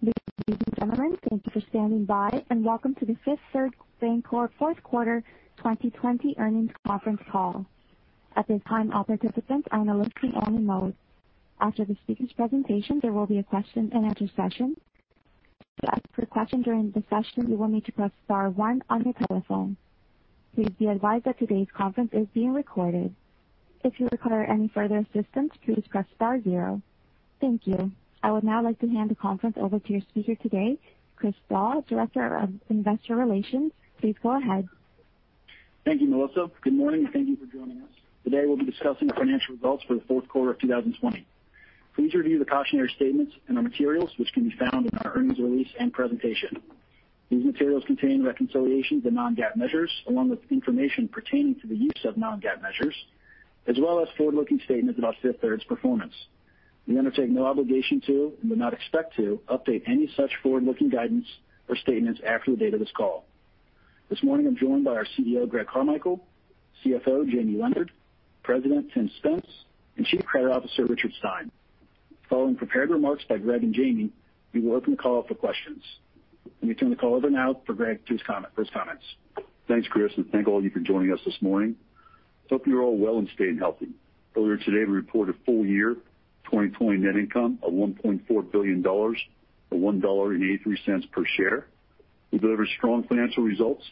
Ladies and gentlemen ,thank you for standing by, and welcome to the Fifth Third Bancorp Fourth Quarter 2020 earnings conference call. At this time, all participants are in a listening-only mode. After the speaker's presentation, there will be a question-and-answer session. To ask a question during the session, you will need to press star one on your telephone. Please be advised that today's conference is being recorded. If you require any further assistance, please press star zero. Thank you. I would now like to hand the conference over to your speaker today, Chris Doll, Director of Investor Relations. Please go ahead. Thank you, Melissa. Good morning, and thank you for joining us. Today, we'll be discussing the financial results for the fourth quarter of 2020. Please review the cautionary statements and the materials, which can be found in our earnings release and presentation. These materials contain reconciliations and non-GAAP measures, along with information pertaining to the use of non-GAAP measures, as well as forward-looking statements about Fifth Third's performance. We undertake no obligation to, and do not expect to, update any such forward-looking guidance or statements after the date of this call. This morning, I'm joined by our CEO, Greg Carmichael, CFO, Jamie Leonard, President, Tim Spence, and Chief Credit Officer, Richard Stein. Following prepared remarks by Greg and Jamie, we will open the call for questions. Let me turn the call over now for Greg to his first comments. Thanks, Chris, and thank all of you for joining us this morning. I hope you're all well and staying healthy. Earlier today, we reported full-year 2020 net income of $1.4 billion, or $1.83 per share. We delivered strong financial results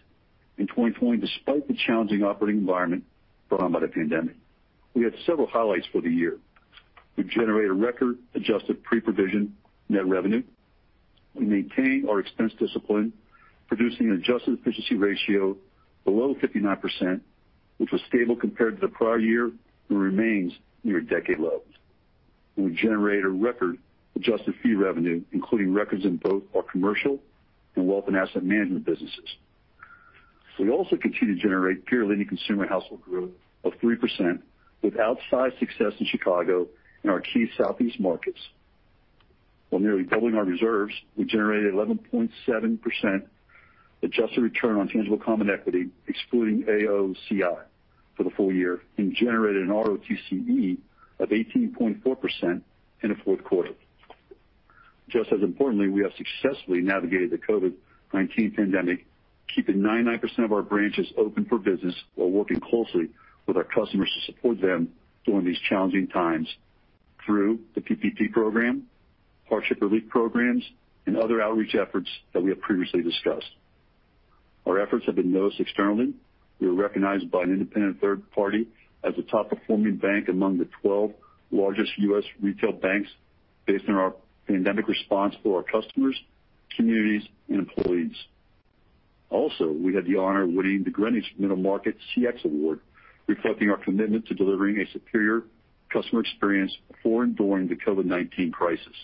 in 2020, despite the challenging operating environment brought on by the pandemic. We had several highlights for the year. We generated a record-adjusted pre-provision net revenue. We maintained our expense discipline, producing an adjusted efficiency ratio below 59%, which was stable compared to the prior year and remains near decade lows. We generated a record-adjusted fee revenue, including records in both our commercial and wealth and asset management businesses. We also continued to generate peer-leading consumer household growth of 3%, with outsized success in Chicago and our key Southeast markets. While nearly doubling our reserves, we generated 11.7% adjusted return on tangible common equity, excluding AOCI, for the full year, and generated an ROTCE of 18.4% in the fourth quarter. Just as importantly, we have successfully navigated the COVID-19 pandemic, keeping 99% of our branches open for business while working closely with our customers to support them during these challenging times through the PPP program, hardship relief programs, and other outreach efforts that we have previously discussed. Our efforts have been noticed externally. We were recognized by an independent third party as a top-performing bank among the 12 largest U.S. retail banks, based on our pandemic response for our customers, communities, and employees. Also, we had the honor of winning the Greenwich Middle Market CX Award, reflecting our commitment to delivering a superior customer experience for and during the COVID-19 crisis.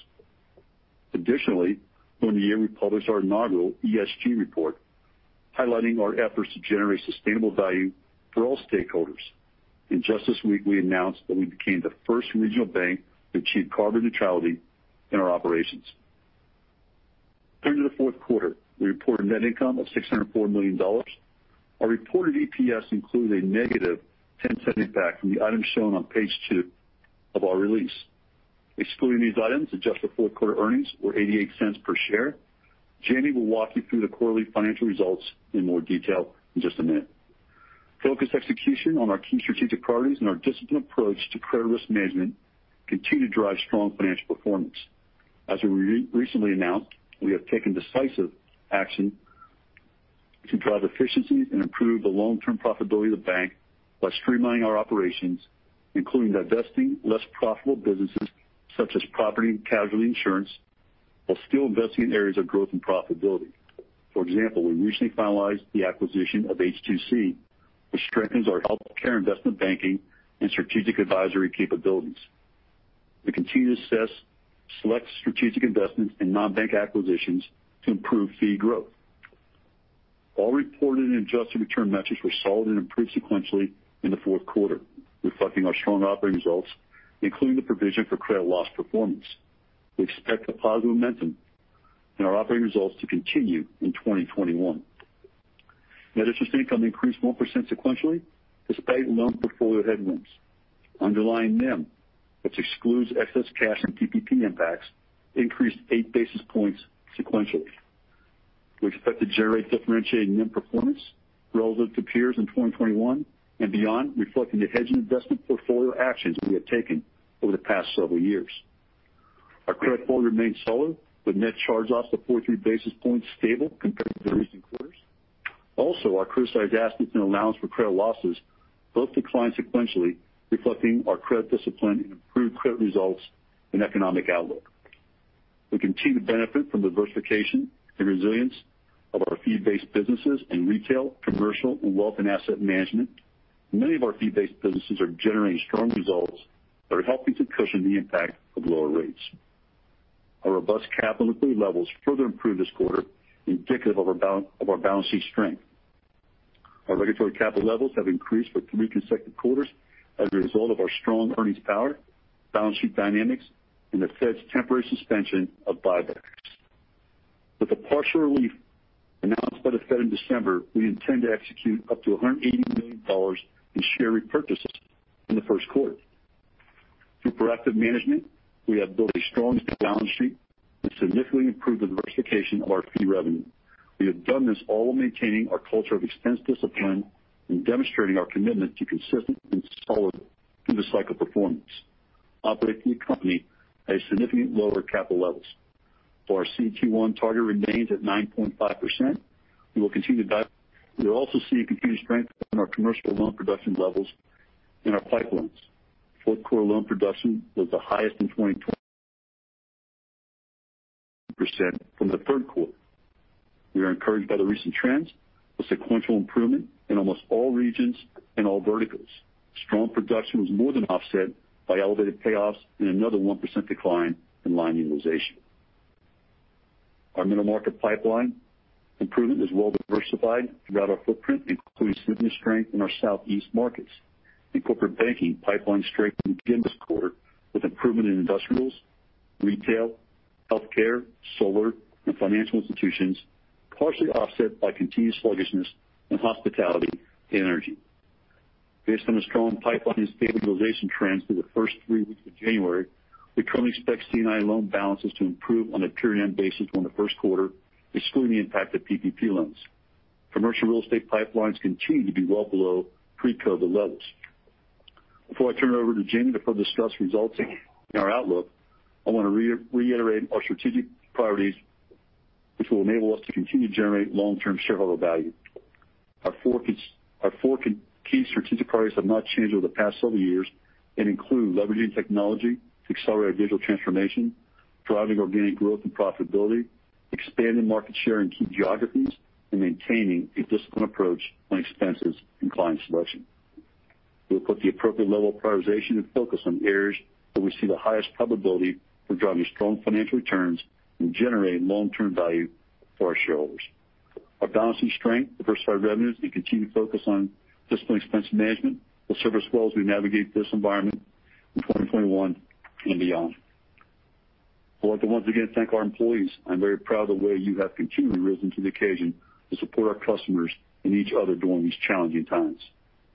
Additionally, during the year, we published our inaugural ESG report, highlighting our efforts to generate sustainable value for all stakeholders. And just this week, we announced that we became the first regional bank to achieve carbon neutrality in our operations. During the fourth quarter, we reported net income of $604 million. Our reported EPS included a negative 10% impact from the items shown on page two of our release. Excluding these items, adjusted fourth quarter earnings were $0.88 per share. Jamie will walk you through the quarterly financial results in more detail in just a minute. Focused execution on our key strategic priorities and our disciplined approach to credit risk management continue to drive strong financial performance. As we recently announced, we have taken decisive action to drive efficiencies and improve the long-term profitability of the bank by streamlining our operations, including divesting less profitable businesses such as property and casualty insurance, while still investing in areas of growth and profitability. For example, we recently finalized the acquisition of H2C, which strengthens our healthcare investment banking and strategic advisory capabilities. We continue to assess select strategic investments and non-bank acquisitions to improve fee growth. All reported and adjusted return metrics were solid and improved sequentially in the fourth quarter, reflecting our strong operating results, including the provision for credit loss performance. We expect a positive momentum in our operating results to continue in 2021. Net interest income increased 1% sequentially despite loan portfolio headwinds. Underlying NIM, which excludes excess cash and PPP impacts, increased eight basis points sequentially. We expect to generate differentiated NIM performance relative to peers in 2021 and beyond, reflecting the hedging investment portfolio actions we have taken over the past several years. Our credit portfolio remained solid, with net charge-offs of 43 basis points stable compared to the recent quarters. Also, our criticized assets and allowance for credit losses both declined sequentially, reflecting our credit discipline and improved credit results and economic outlook. We continue to benefit from the diversification and resilience of our fee-based businesses in retail, commercial, and wealth and asset management. Many of our fee-based businesses are generating strong results that are helping to cushion the impact of lower rates. Our robust capital equity levels further improved this quarter, indicative of our balance sheet strength. Our regulatory capital levels have increased for three consecutive quarters as a result of our strong earnings power, balance sheet dynamics, and the Fed's temporary suspension of buybacks. With the partial relief announced by the Fed in December, we intend to execute up to $180 million in share repurchases in the first quarter. Through proactive management, we have built a strong balance sheet and significantly improved the diversification of our fee revenue. We have done this all while maintaining our culture of extensive discipline and demonstrating our commitment to consistent and solid through-the-cycle performance. Operating the company at significantly lower capital levels. While our CET1 target remains at 9.5%, we will continue to. We are also seeing continued strength in our commercial loan production levels and our pipelines. Fourth quarter loan production was the highest in 2020 from the third quarter. We are encouraged by the recent trends of sequential improvement in almost all regions and all verticals. Strong production was more than offset by elevated payoffs and another 1% decline in line utilization. Our middle market pipeline improvement is well-diversified throughout our footprint, including significant strength in our Southeast markets. In corporate banking, pipeline strengthened again this quarter with improvement in industrials, retail, healthcare, solar, and financial institutions, partially offset by continued sluggishness in hospitality and energy. Based on the strong pipeline and stable utilization trends through the first three weeks of January, we currently expect C&I loan balances to improve on a period-end-basis during the first quarter, excluding the impact of PPP loans. Commercial real estate pipelines continue to be well below pre-COVID levels. Before I turn it over to Jamie to further discuss results and our outlook, I want to reiterate our strategic priorities, which will enable us to continue to generate long-term shareholder value. Our four key strategic priorities have not changed over the past several years and include leveraging technology to accelerate our digital transformation, driving organic growth and profitability, expanding market share in key geographies, and maintaining a disciplined approach on expenses and client selection. We'll put the appropriate level of prioritization and focus on areas where we see the highest probability for driving strong financial returns and generating long-term value for our shareholders. Our balance sheet strength, diversified revenues, and continued focus on disciplined expense management will serve us well as we navigate this environment in 2021 and beyond. I'd like to once again thank our employees. I'm very proud of the way you have continually risen to the occasion to support our customers and each other during these challenging times.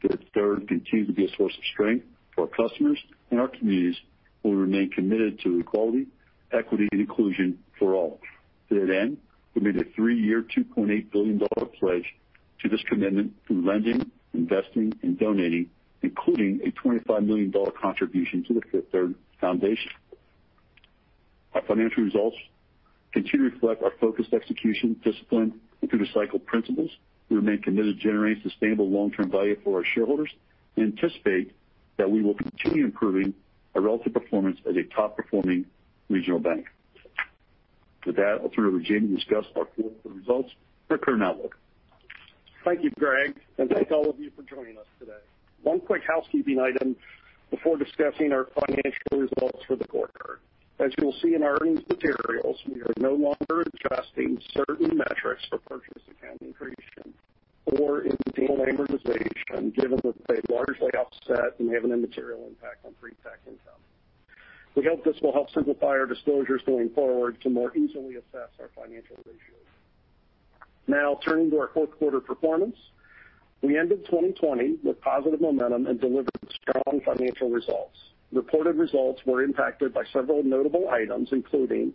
Fifth Third continues to be a source of strength for our customers and our communities, where we remain committed to equality, equity, and inclusion for all. To that end, we made a three-year, $2.8 billion pledge to this commitment through lending, investing, and donating, including a $25 million contribution to the Fifth Third Foundation. Our financial results continue to reflect our focused execution, discipline, and through-the-cycle principles. We remain committed to generating sustainable long-term value for our shareholders and anticipate that we will continue improving our relative performance as a top-performing regional bank. With that, I'll turn it over to Jamie to discuss our fourth quarter results and our current outlook. Thank you, Greg, and thank all of you for joining us today. One quick housekeeping item before discussing our financial results for the quarter. As you'll see in our earnings materials, we are no longer adjusting certain metrics for purchase accounting integration and data integration, given that they largely offset and have an immaterial impact on pre-tax income. We hope this will help simplify our disclosures going forward to more easily assess our financial ratios. Now, turning to our fourth quarter performance, we ended 2020 with positive momentum and delivered strong financial results. Reported results were impacted by several notable items, including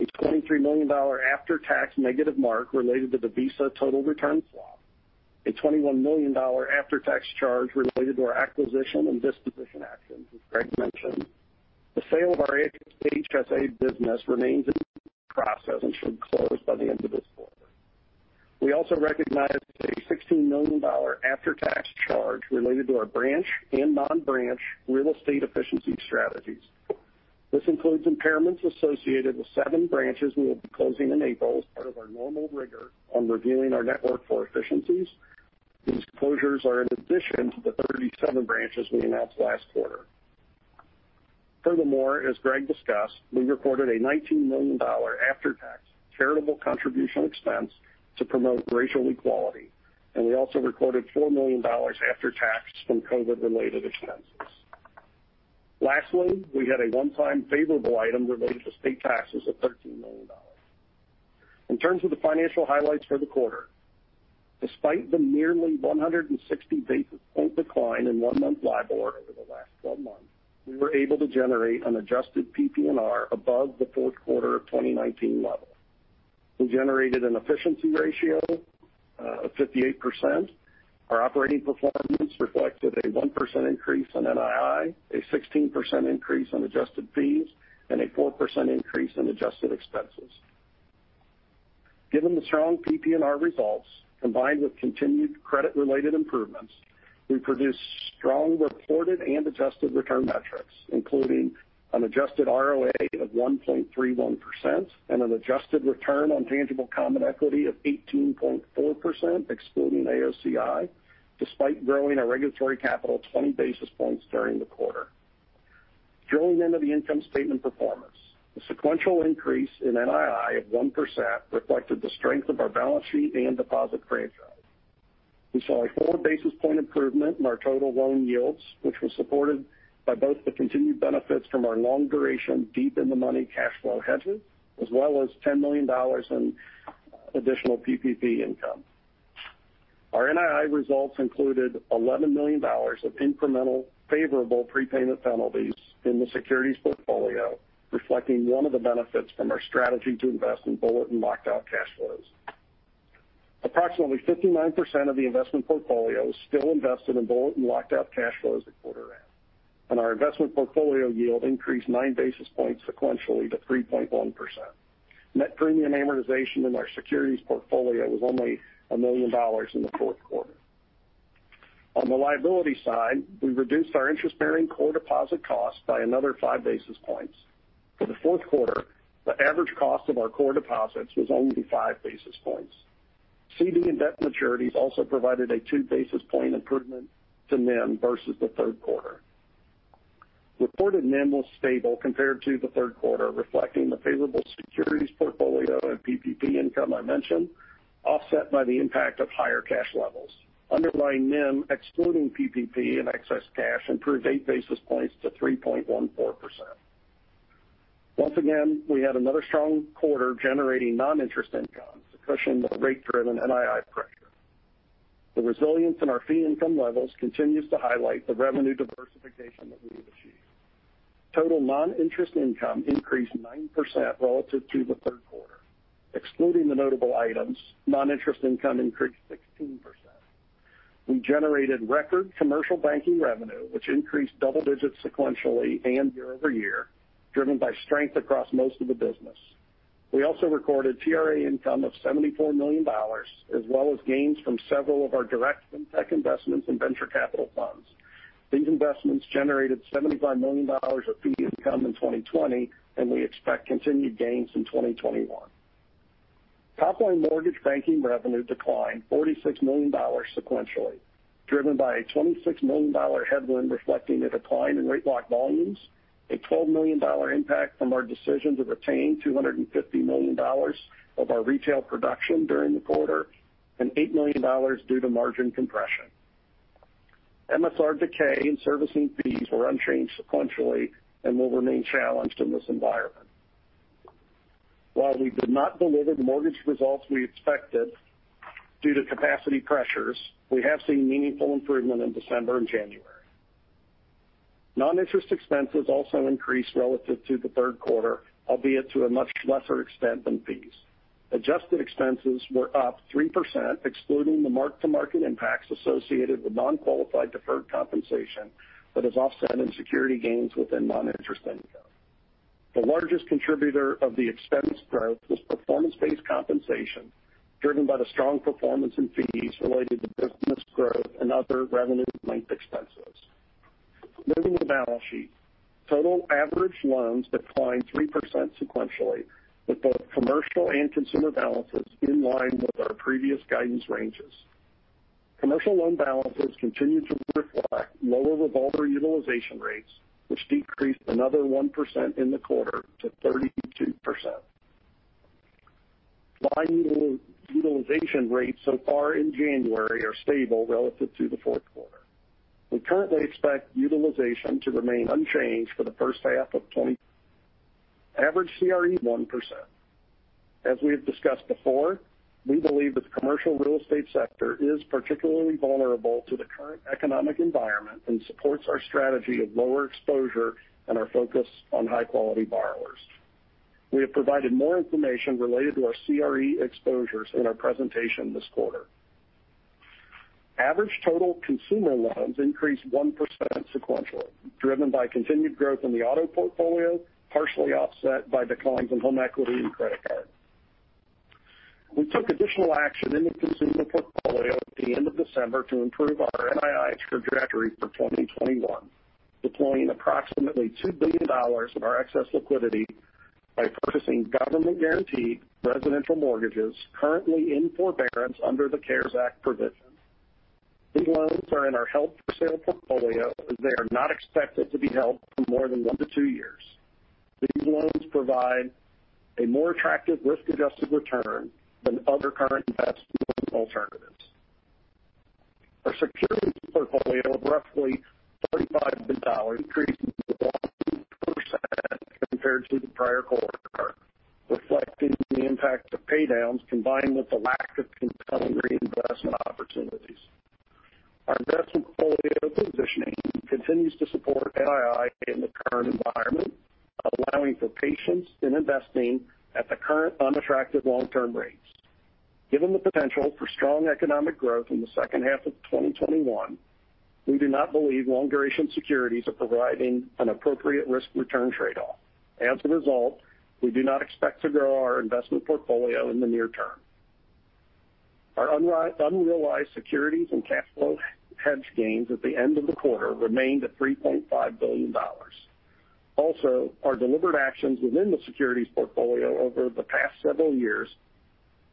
a $23 million after-tax negative mark related to the Visa total return swap, a $21 million after-tax charge related to our acquisition and disposition actions, as Greg mentioned. The sale of our HSA business remains in process and should close by the end of this quarter. We also recognized a $16 million after-tax charge related to our branch and non-branch real estate efficiency strategies. This includes impairments associated with seven branches we will be closing in April as part of our normal rigor on reviewing our network for efficiencies. These closures are in addition to the 37 branches we announced last quarter. Furthermore, as Greg discussed, we recorded a $19 million after-tax charitable contribution expense to promote racial equality, and we also recorded $4 million after-tax from COVID-related expenses. Lastly, we had a one-time favorable item related to state taxes of $13 million. In terms of the financial highlights for the quarter, despite the nearly 160 basis points decline in one-month LIBOR over the last 12 months, we were able to generate an adjusted PPNR above the fourth quarter of 2019 level. We generated an efficiency ratio of 58%. Our operating performance reflected a 1% increase in NII, a 16% increase in adjusted fees, and a 4% increase in adjusted expenses. Given the strong PPNR results, combined with continued credit-related improvements, we produced strong reported and adjusted return metrics, including an adjusted ROA of 1.31% and an adjusted return on tangible common equity of 18.4%, excluding AOCI, despite growing our regulatory capital 20 basis points during the quarter. Drilling into the income statement performance, the sequential increase in NII of 1% reflected the strength of our balance sheet and deposit franchise. We saw a 4 basis point improvement in our total loan yields, which was supported by both the continued benefits from our long-duration, deep-in-the-money cash flow hedges, as well as $10 million in additional PPP income. Our NII results included $11 million of incremental favorable prepayment penalties in the securities portfolio, reflecting one of the benefits from our strategy to invest in bullet and locked-out cash flows. Approximately 59% of the investment portfolio is still invested in bullet and locked-out cash flows at the quarter end, and our investment portfolio yield increased 9 basis points sequentially to 3.1%. Net premium amortization in our securities portfolio was only $1 million in the fourth quarter. On the liability side, we reduced our interest-bearing core deposit cost by another 5 basis points. For the fourth quarter, the average cost of our core deposits was only 5 basis points. CD and debt maturities also provided a 2 basis points improvement to NIM versus the third quarter. Reported NIM was stable compared to the third quarter, reflecting the favorable securities portfolio and PPP income I mentioned, offset by the impact of higher cash levels. Underlying NIM, excluding PPP and excess cash, improved eight basis points to 3.14%. Once again, we had another strong quarter generating non-interest income, cushioning the rate-driven NII pressure. The resilience in our fee income levels continues to highlight the revenue diversification that we have achieved. Total non-interest income increased 9% relative to the third quarter. Excluding the notable items, non-interest income increased 16%. We generated record commercial banking revenue, which increased double digits sequentially and year over year, driven by strength across most of the business. We also recorded TRA income of $74 million, as well as gains from several of our direct fintech investments and venture capital funds. These investments generated $75 million of fee income in 2020, and we expect continued gains in 2021. Top-line mortgage banking revenue declined $46 million sequentially, driven by a $26 million headwind reflecting a decline in rate lock volumes, a $12 million impact from our decision to retain $250 million of our retail production during the quarter, and $8 million due to margin compression. MSR decay in servicing fees were unchanged sequentially and will remain challenged in this environment. While we did not deliver the mortgage results we expected due to capacity pressures, we have seen meaningful improvement in December and January. Non-interest expenses also increased relative to the third quarter, albeit to a much lesser extent than fees. Adjusted expenses were up 3%, excluding the mark-to-market impacts associated with non-qualified deferred compensation that is offset in security gains within non-interest income. The largest contributor of the expense growth was performance-based compensation, driven by the strong performance in fees related to business growth and other revenue-linked expenses. Moving to the balance sheet, total average loans declined 3% sequentially, with both commercial and consumer balances in line with our previous guidance ranges. Commercial loan balances continue to reflect lower revolver utilization rates, which decreased another 1% in the quarter to 32%. Line utilization rates so far in January are stable relative to the fourth quarter. We currently expect utilization to remain unchanged for the first half of 2021. Average CRE 1%. As we have discussed before, we believe that the commercial real estate sector is particularly vulnerable to the current economic environment and supports our strategy of lower exposure and our focus on high-quality borrowers. We have provided more information related to our CRE exposures in our presentation this quarter. Average total consumer loans increased 1% sequentially, driven by continued growth in the auto portfolio, partially offset by declines in home equity and credit cards. We took additional action in the consumer portfolio at the end of December to improve our NII trajectory for 2021, deploying approximately $2 billion of our excess liquidity by purchasing government-guaranteed residential mortgages currently in forbearance under the CARES Act provision. These loans are in our held-for-sale portfolio as they are not expected to be held for more than one to two years. These loans provide a more attractive risk-adjusted return than other current investment alternatives. Our securities portfolio of roughly $35 million increased 1% compared to the prior quarter, reflecting the impact of paydowns combined with the lack of compelling reinvestment opportunities. Our investment portfolio positioning continues to support NII in the current environment, allowing for patience in investing at the current unattractive long-term rates. Given the potential for strong economic growth in the second half of 2021, we do not believe long-duration securities are providing an appropriate risk-return trade-off. As a result, we do not expect to grow our investment portfolio in the near term. Our unrealized securities and cash flow hedge gains at the end of the quarter remained at $3.5 billion. Also, our delivered actions within the securities portfolio over the past several years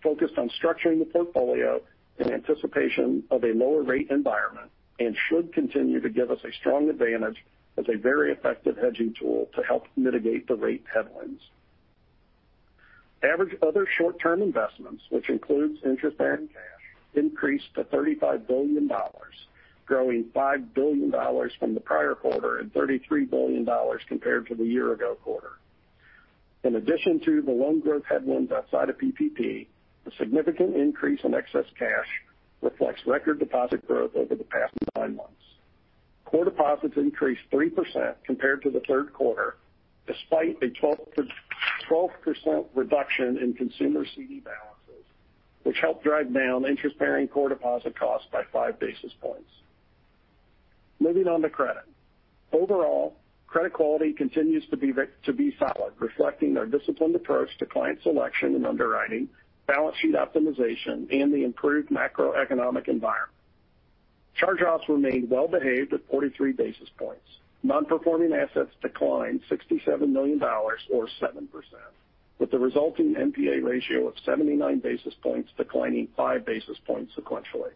focused on structuring the portfolio in anticipation of a lower rate environment and should continue to give us a strong advantage as a very effective hedging tool to help mitigate the rate headwinds. Average other short-term investments, which includes interest-bearing cash, increased to $35 billion, growing $5 billion from the prior quarter and $33 billion compared to the year-ago quarter. In addition to the loan growth headwinds outside of PPP, a significant increase in excess cash reflects record deposit growth over the past nine months. Core deposits increased 3% compared to the third quarter, despite a 12% reduction in consumer CD balances, which helped drive down interest-bearing core deposit cost by 5 basis points. Moving on to credit. Overall, credit quality continues to be solid, reflecting our disciplined approach to client selection and underwriting, balance sheet optimization, and the improved macroeconomic environment. Charge-offs remained well-behaved at 43 basis points. Non-performing assets declined $67 million, or 7%, with the resulting NPA ratio of 79 basis points declining 5 basis points sequentially.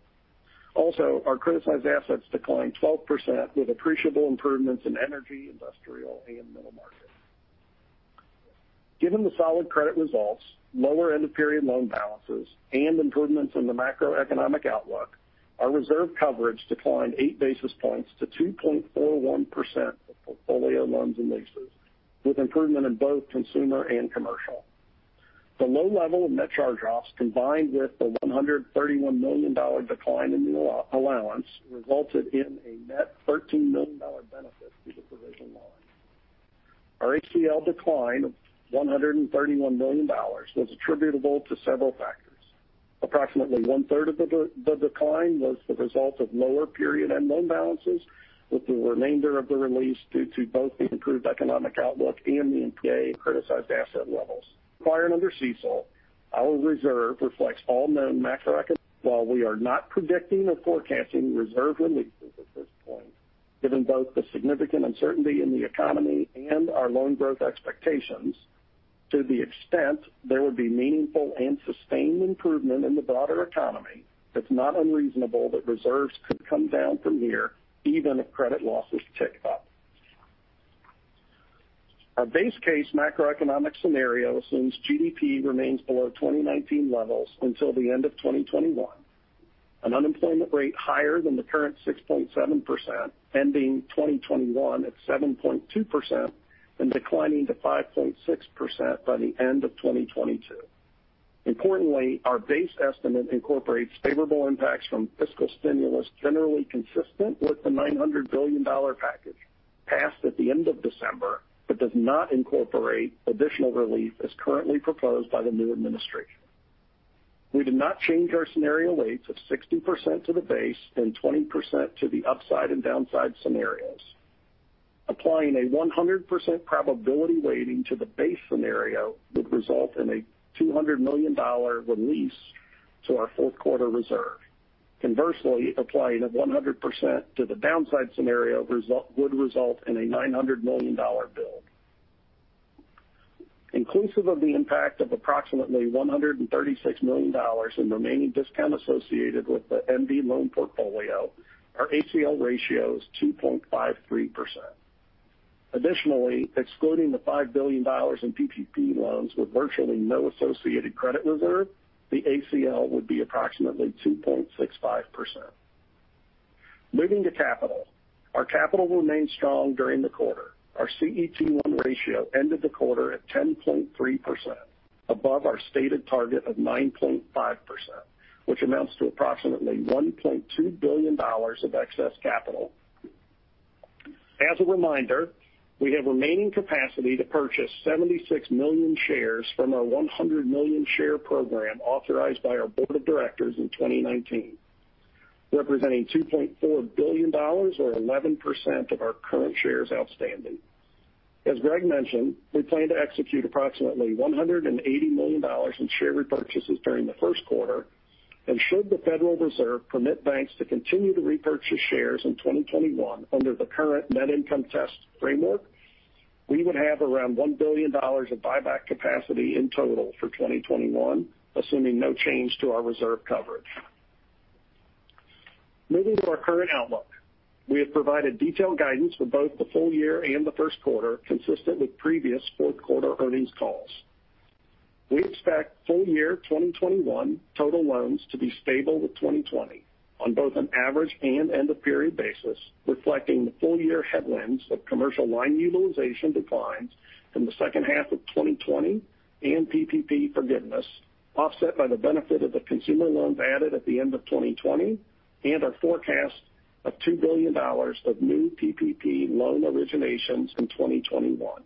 Also, our criticized assets declined 12%, with appreciable improvements in energy, industrial, and middle markets. Given the solid credit results, lower end-of-period loan balances, and improvements in the macroeconomic outlook, our reserve coverage declined 8 basis points to 2.41% for portfolio loans and leases, with improvement in both consumer and commercial. The low level of net charge-offs combined with the $131 million decline in the allowance resulted in a net $13 million benefit to the provision line. Our ACL decline of $131 million was attributable to several factors. Approximately one-third of the decline was the result of lower period-end loan balances, with the remainder of the release due to both the improved economic outlook and the NPA and criticized asset levels. Prior to and under CECL, our reserve reflects all known macro. While we are not predicting or forecasting reserve releases at this point, given both the significant uncertainty in the economy and our loan growth expectations, to the extent there would be meaningful and sustained improvement in the broader economy, it's not unreasonable that reserves could come down from here even if credit losses tick up. Our base case macroeconomic scenario assumes GDP remains below 2019 levels until the end of 2021, an unemployment rate higher than the current 6.7%, ending 2021 at 7.2%, and declining to 5.6% by the end of 2022. Importantly, our base estimate incorporates favorable impacts from fiscal stimulus generally consistent with the $900 billion package passed at the end of December but does not incorporate additional relief as currently proposed by the new administration. We did not change our scenario weights of 60% to the base and 20% to the upside and downside scenarios. Applying a 100% probability weighting to the base scenario would result in a $200 million release to our fourth quarter reserve. Conversely, applying a 100% to the downside scenario would result in a $900 million build. Inclusive of the impact of approximately $136 million and remaining discount associated with the MB loan portfolio, our ACL ratio is 2.53%. Additionally, excluding the $5 billion in PPP loans with virtually no associated credit reserve, the ACL would be approximately 2.65%. Moving to capital. Our capital remained strong during the quarter. Our CET1 ratio ended the quarter at 10.3%, above our stated target of 9.5%, which amounts to approximately $1.2 billion of excess capital. As a reminder, we have remaining capacity to purchase 76 million shares from our 100 million share program authorized by our board of directors in 2019, representing $2.4 billion, or 11% of our current shares outstanding. As Greg mentioned, we plan to execute approximately $180 million in share repurchases during the first quarter, and should the Federal Reserve permit banks to continue to repurchase shares in 2021 under the current net income test framework, we would have around $1 billion of buyback capacity in total for 2021, assuming no change to our reserve coverage. Moving to our current outlook, we have provided detailed guidance for both the full year and the first quarter, consistent with previous fourth quarter earnings calls. We expect full year 2021 total loans to be stable with 2020 on both an average and end-of-period basis, reflecting the full year headwinds of commercial line utilization declines from the second half of 2020 and PPP forgiveness, offset by the benefit of the consumer loans added at the end of 2020 and our forecast of $2 billion of new PPP loan originations in 2021.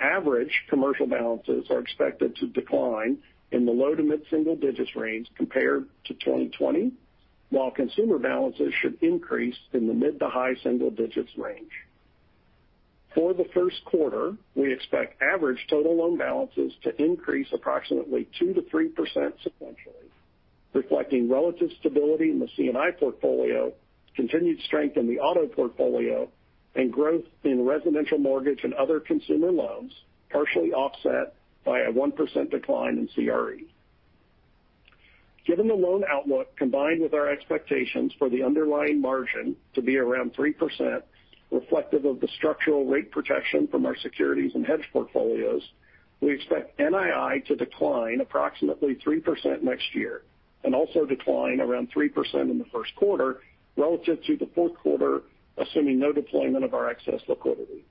Average commercial balances are expected to decline in the low- to mid-single-digits range compared to 2020, while consumer balances should increase in the mid- to high-single-digits range. For the first quarter, we expect average total loan balances to increase approximately 2% to 3% sequentially, reflecting relative stability in the C&I portfolio, continued strength in the auto portfolio, and growth in residential mortgage and other consumer loans, partially offset by a 1% decline in CRE. Given the loan outlook combined with our expectations for the underlying margin to be around 3%, reflective of the structural rate protection from our securities and hedge portfolios, we expect NII to decline approximately 3% next year and also decline around 3% in the first quarter relative to the fourth quarter, assuming no deployment of our excess liquidity.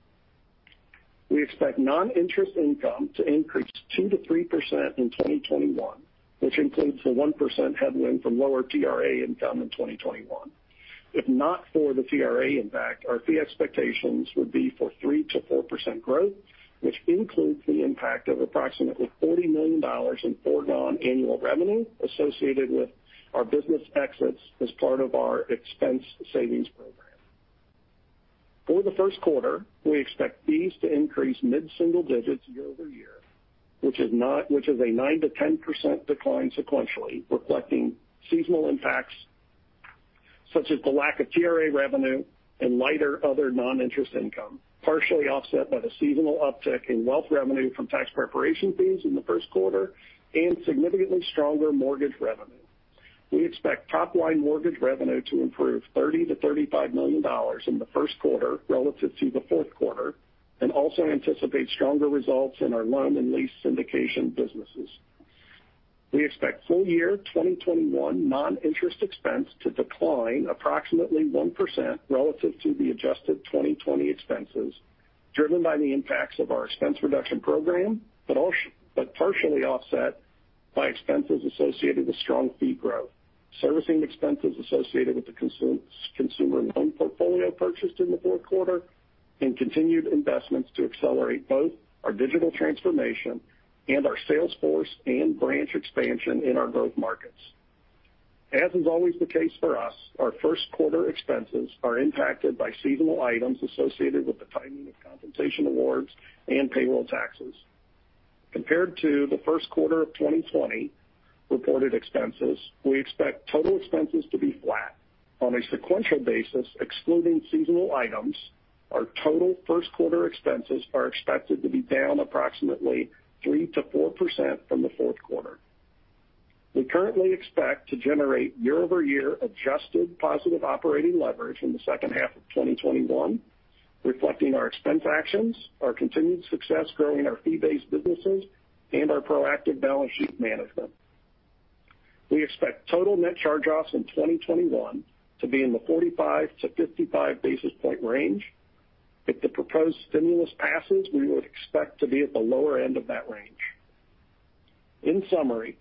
We expect non-interest income to increase 2%-3% in 2021, which includes the 1% headwind from lower TRA income in 2021. If not for the TRA impact, our fee expectations would be for 3%-4% growth, which includes the impact of approximately $40 million in foregone annual revenue associated with our business exits as part of our expense savings program. For the first quarter, we expect fees to increase mid-single digits year over year, which is a 9%-10% decline sequentially, reflecting seasonal impacts such as the lack of TRA revenue and lighter other non-interest income, partially offset by the seasonal uptick in wealth revenue from tax preparation fees in the first quarter and significantly stronger mortgage revenue. We expect top-line mortgage revenue to improve $30 million-$35 million in the first quarter relative to the fourth quarter and also anticipate stronger results in our loan and lease syndication businesses. We expect full year 2021 non-interest expense to decline approximately 1% relative to the adjusted 2020 expenses, driven by the impacts of our expense reduction program but partially offset by expenses associated with strong fee growth, servicing expenses associated with the consumer loan portfolio purchased in the fourth quarter, and continued investments to accelerate both our digital transformation and our sales force and branch expansion in our growth markets. As is always the case for us, our first quarter expenses are impacted by seasonal items associated with the timing of compensation awards and payroll taxes. Compared to the first quarter of 2020 reported expenses, we expect total expenses to be flat. On a sequential basis, excluding seasonal items, our total first quarter expenses are expected to be down approximately 3%-4% from the fourth quarter. We currently expect to generate year-over-year adjusted positive operating leverage in the second half of 2021, reflecting our expense actions, our continued success growing our fee-based businesses, and our proactive balance sheet management. We expect total net charge-offs in 2021 to be in the 45 to 55 basis points range. If the proposed stimulus passes, we would expect to be at the lower end of that range. In summary,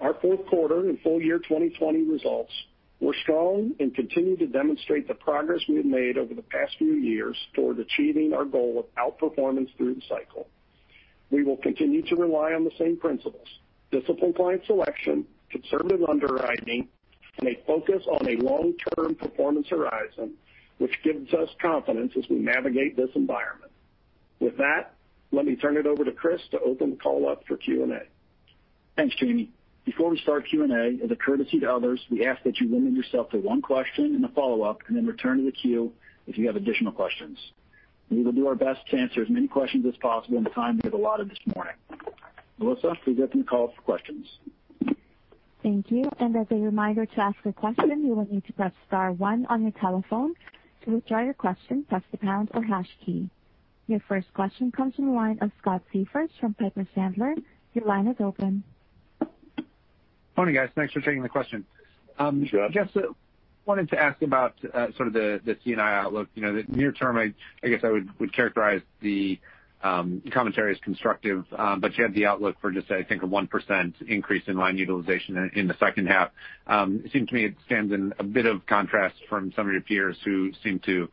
our fourth quarter and full year 2020 results were strong and continue to demonstrate the progress we have made over the past few years toward achieving our goal of outperformance through the cycle. We will continue to rely on the same principles: disciplined client selection, conservative underwriting, and a focus on a long-term performance horizon, which gives us confidence as we navigate this environment. With that, let me turn it over to Chris to open the call up for Q&A. Thanks, Jamie. Before we start Q&A, as a courtesy to others, we ask that you limit yourself to one question and a follow-up, and then return to the queue if you have additional questions. We will do our best to answer as many questions as possible in the time we have allotted this morning. Melissa, please open the call for questions. Thank you. And as a reminder to ask a question, you will need to press star one on your telephone. To withdraw your question, press the pound or hash key. Your first question comes from the line of Scott Siefers from Piper Sandler. Your line is open. Morning, guys. Thanks for taking the question. I guess I wanted to ask about sort of the C&I outlook. The near term, I guess I would characterize the commentary as constructive, but you had the outlook for just, I think, a 1% increase in line utilization in the second half. It seems to me it stands in a bit of contrast from some of your peers who seem to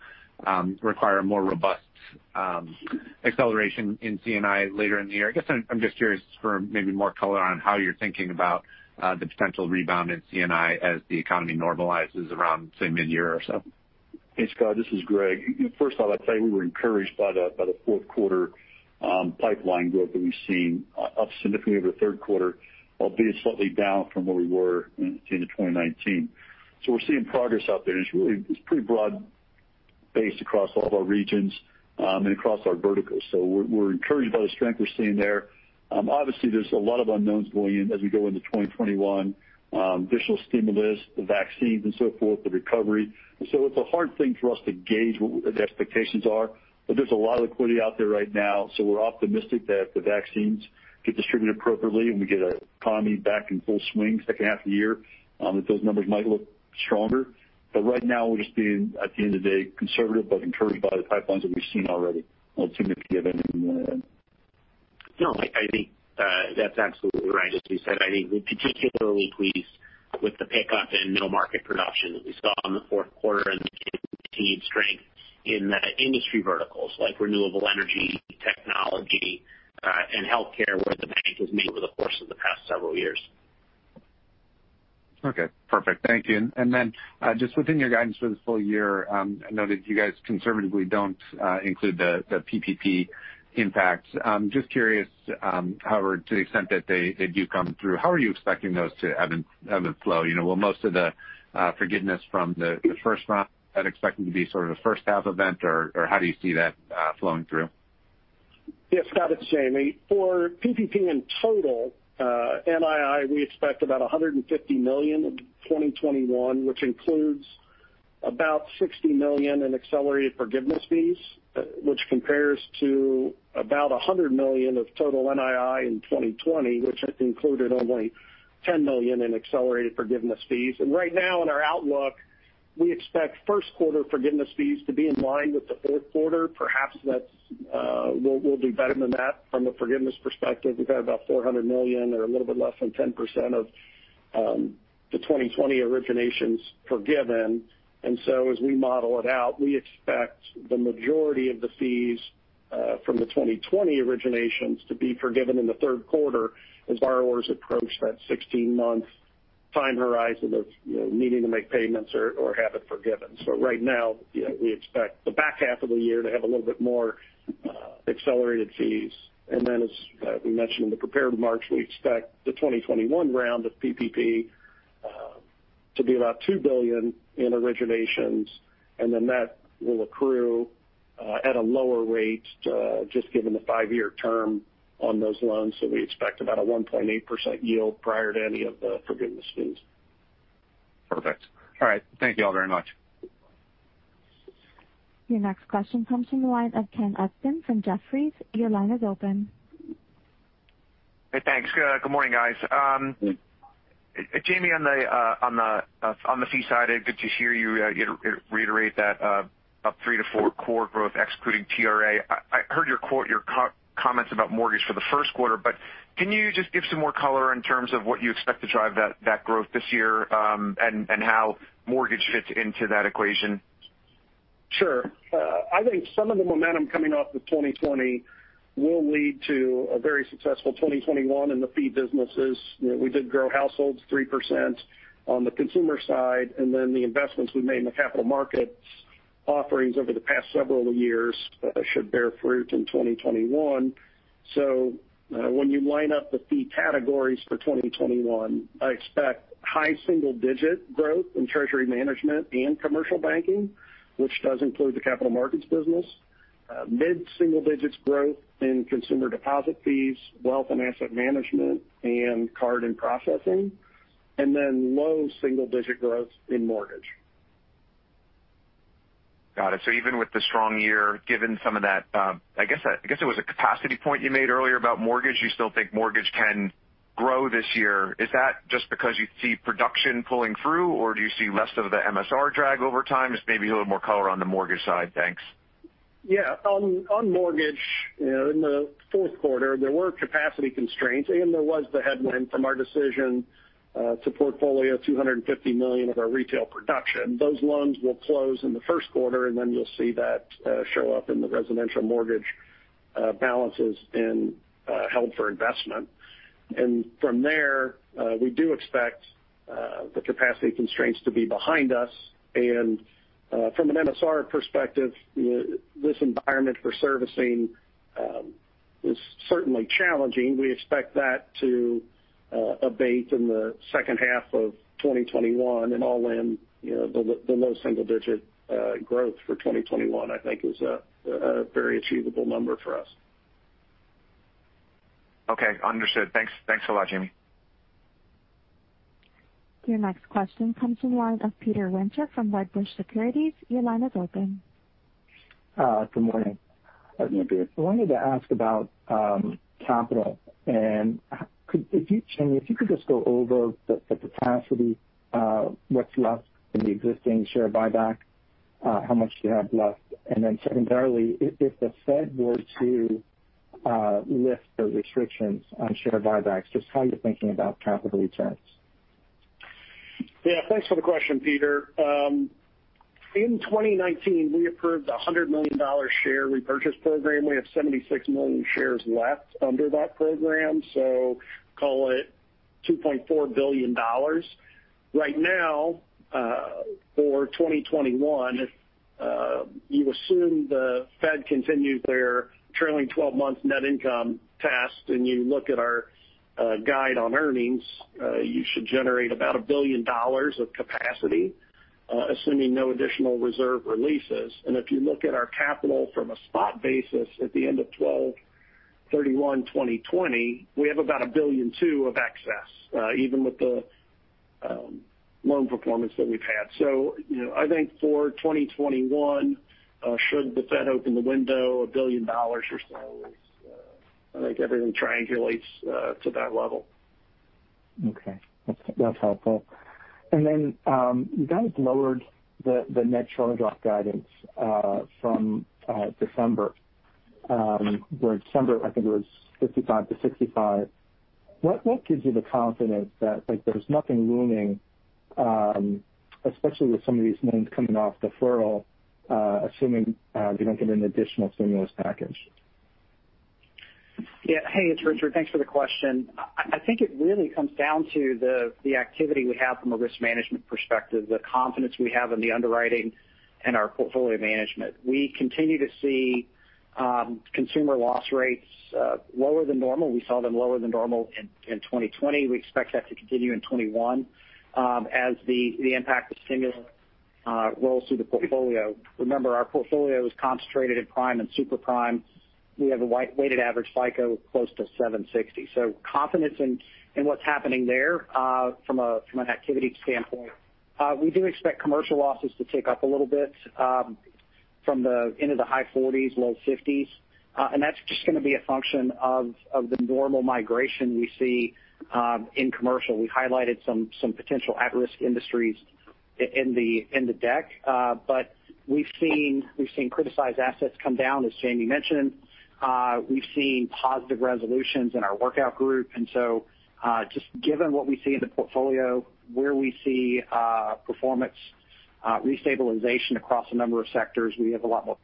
require a more robust acceleration in C&I later in the year. I guess I'm just curious for maybe more color on how you're thinking about the potential rebound in C&I as the economy normalizes around, say, mid-year or so. Hey, Scott, this is Greg. First off, I'd say we were encouraged by the fourth quarter pipeline growth that we've seen up significantly over the third quarter, albeit slightly down from where we were in 2019. So we're seeing progress out there, and it's pretty broad-based across all of our regions and across our verticals. So we're encouraged by the strength we're seeing there. Obviously, there's a lot of unknowns going in as we go into 2021: additional stimulus, the vaccines, and so forth, the recovery. So it's a hard thing for us to gauge what the expectations are, but there's a lot of liquidity out there right now. So we're optimistic that if the vaccines get distributed appropriately and we get the economy back in full swing second half of the year, that those numbers might look stronger. but right now, we're just being, at the end of the day, conservative but encouraged by the pipelines that we've seen already on the two-week give-in. No, I think that's absolutely right. As you said, I think we're particularly pleased with the pickup in middle-market production that we saw in the fourth quarter and the continued strength in industry verticals like renewable energy, technology, and healthcare where the bank has made over the course of the past several years. Okay. Perfect. Thank you. And then just within your guidance for the full year, I noted you guys conservatively don't include the PPP impacts. Just curious, however, to the extent that they do come through, how are you expecting those to ebb and flow? Will most of the forgiveness from the first round expecting to be sort of the first-half event, or how do you see that flowing through? Yeah, Scott, it's Jamie. For PPP in total, NII, we expect about $150 million in 2021, which includes about $60 million in accelerated forgiveness fees, which compares to about $100 million of total NII in 2020, which included only $10 million in accelerated forgiveness fees. And right now, in our outlook, we expect first-quarter forgiveness fees to be in line with the fourth quarter. Perhaps we'll do better than that. From a forgiveness perspective, we've had about $400 million or a little bit less than 10% of the 2020 originations forgiven. And so as we model it out, we expect the majority of the fees from the 2020 originations to be forgiven in the third quarter as borrowers approach that 16-month time horizon of needing to make payments or have it forgiven. So right now, we expect the back half of the year to have a little bit more accelerated fees. And then, as we mentioned in the prepared remarks, we expect the 2021 round of PPP to be about $2 billion in originations, and then that will accrue at a lower rate just given the five-year term on those loans. So we expect about a 1.8% yield prior to any of the forgiveness fees. Perfect. All right. Thank you all very much. Your next question comes from the line of Ken Usdin from Jefferies. Your line is open. Hey, thanks. Good morning, guys. Jamie, on the fee side, good to hear you reiterate that up 3%-4% core growth, excluding TRA. I heard your comments about mortgage for the first quarter, but can you just give some more color in terms of what you expect to drive that growth this year and how mortgage fits into that equation? Sure. I think some of the momentum coming off of 2020 will lead to a very successful 2021 in the fee businesses. We did grow households 3% on the consumer side, and then the investments we made in the capital market offerings over the past several years should bear fruit in 2021. So when you line up the fee categories for 2021, I expect high single-digit growth in treasury management and commercial banking, which does include the capital markets business, mid-single-digits growth in consumer deposit fees, wealth and asset management, and card and processing, and then low single-digit growth in mortgage. Got it. So even with the strong year, given some of that, I guess it was a capacity point you made earlier about mortgage, you still think mortgage can grow this year. Is that just because you see production pulling through, or do you see less of the MSR drag over time? Just maybe a little more color on the mortgage side, thanks. Yeah. On mortgage, in the fourth quarter, there were capacity constraints, and there was the headwind from our decision to portfolio $250 million of our retail production. Those loans will close in the first quarter, and then you'll see that show up in the residential mortgage balances held for investment. And from there, we do expect the capacity constraints to be behind us. And from an MSR perspective, this environment for servicing is certainly challenging. We expect that to abate in the second half of 2021, and all in, the low single-digit growth for 2021, I think, is a very achievable number for us. Okay. Understood. Thanks a lot, Jamie. Your next question comes from the line of Peter Winter from Wedbush Securities. Your line is open. Good morning. I wanted to ask about capital. And Jamie, if you could just go over the capacity, what's left in the existing share buyback, how much you have left, and then secondarily, if the Fed were to lift the restrictions on share buybacks, just how you're thinking about capital returns. Yeah. Thanks for the question, Peter. In 2019, we approved a $100 million share repurchase program. We have 76 million shares left under that program, so call it $2.4 billion. Right now, for 2021, you assume the Fed continues their trailing 12-month net income test, and you look at our guide on earnings, you should generate about $1 billion of capacity, assuming no additional reserve releases. And if you look at our capital from a spot basis at the end of 12/31/2020, we have about a billion two of excess, even with the loan performance that we've had. So I think for 2021, should the Fed open the window, a billion dollars or so, I think everything triangulates to that level. Okay. That's helpful. And then you guys lowered the net charge-off guidance from December, where December, I think it was 55-65 basis points. What gives you the confidence that there's nothing looming, especially with some of these names coming off the furlough, assuming they don't get an additional stimulus package? Yeah. Hey, it's Richard. Thanks for the question. I think it really comes down to the activity we have from a risk management perspective, the confidence we have in the underwriting and our portfolio management. We continue to see consumer loss rates lower than normal. We saw them lower than normal in 2020. We expect that to continue in 2021 as the impact of stimulus rolls through the portfolio. Remember, our portfolio is concentrated in prime and super prime. We have a weighted average FICO close to 760. So confidence in what's happening there from an activity standpoint. We do expect commercial losses to tick up a little bit from the end of the high 40s, low 50s. And that's just going to be a function of the normal migration we see in commercial. We highlighted some potential at-risk industries in the deck, but we've seen criticized assets come down, as Jamie mentioned. We've seen positive resolutions in our workout group. And so just given what we see in the portfolio, where we see performance restabilization across a number of sectors, we have a lot more.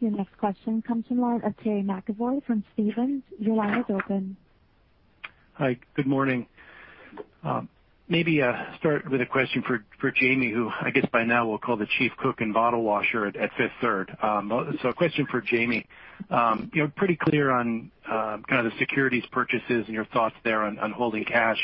Your next question comes from the line of Terry McEvoy from Stephens. Your line is open. Hi. Good morning. Maybe start with a question for Jamie, who I guess by now will call the chief cook and bottle washer at Fifth Third. So a question for Jamie. You're pretty clear on kind of the securities purchases and your thoughts there on holding cash.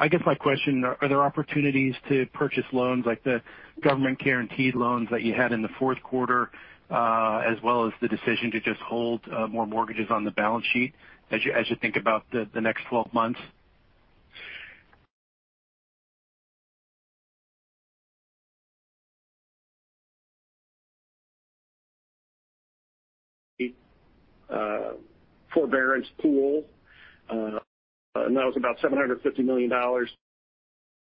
I guess my question, are there opportunities to purchase loans like the government-guaranteed loans that you had in the fourth quarter, as well as the decision to just hold more mortgages on the balance sheet as you think about the next 12 months? Forbearance pool. That was about $750 million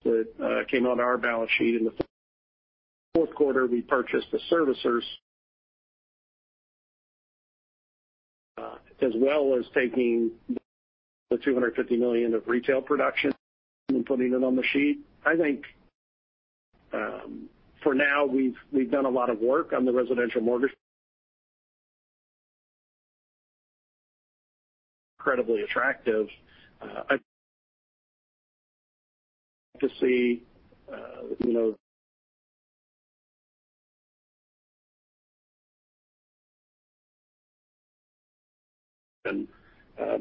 that came on our balance sheet. In the fourth quarter, we purchased the servicers, as well as taking the $250 million of retail production and putting it on the sheet. I think for now, we've done a lot of work on the residential mortgage. Incredibly attractive. I'd like to see.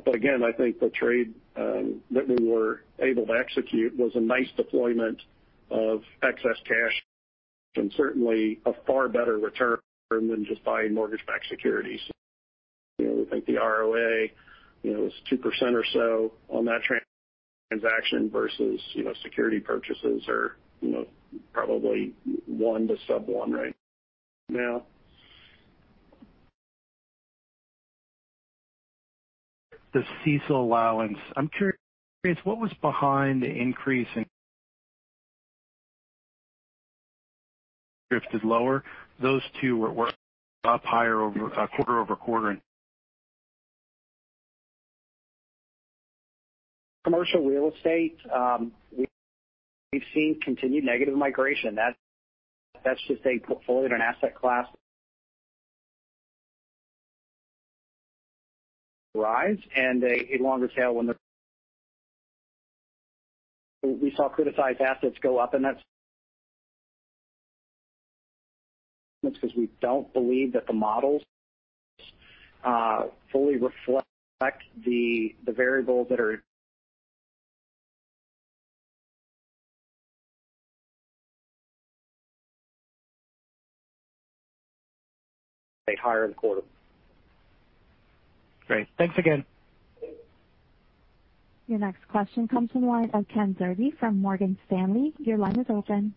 But again, I think the trade that we were able to execute was a nice deployment of excess cash and certainly a far better return than just buying mortgage-backed securities. We think the ROA was 2% or so on that transaction versus security purchases are probably 1% to sub-1% right now. That's just a portfolio and asset class rise, and a longer tail when the we saw criticized assets go up, and that's because we don't believe that the models fully reflect the variables that are higher in the quarter. Great. Thanks again. Your next question comes from the line of Ken Zerbe from Morgan Stanley. Your line is open.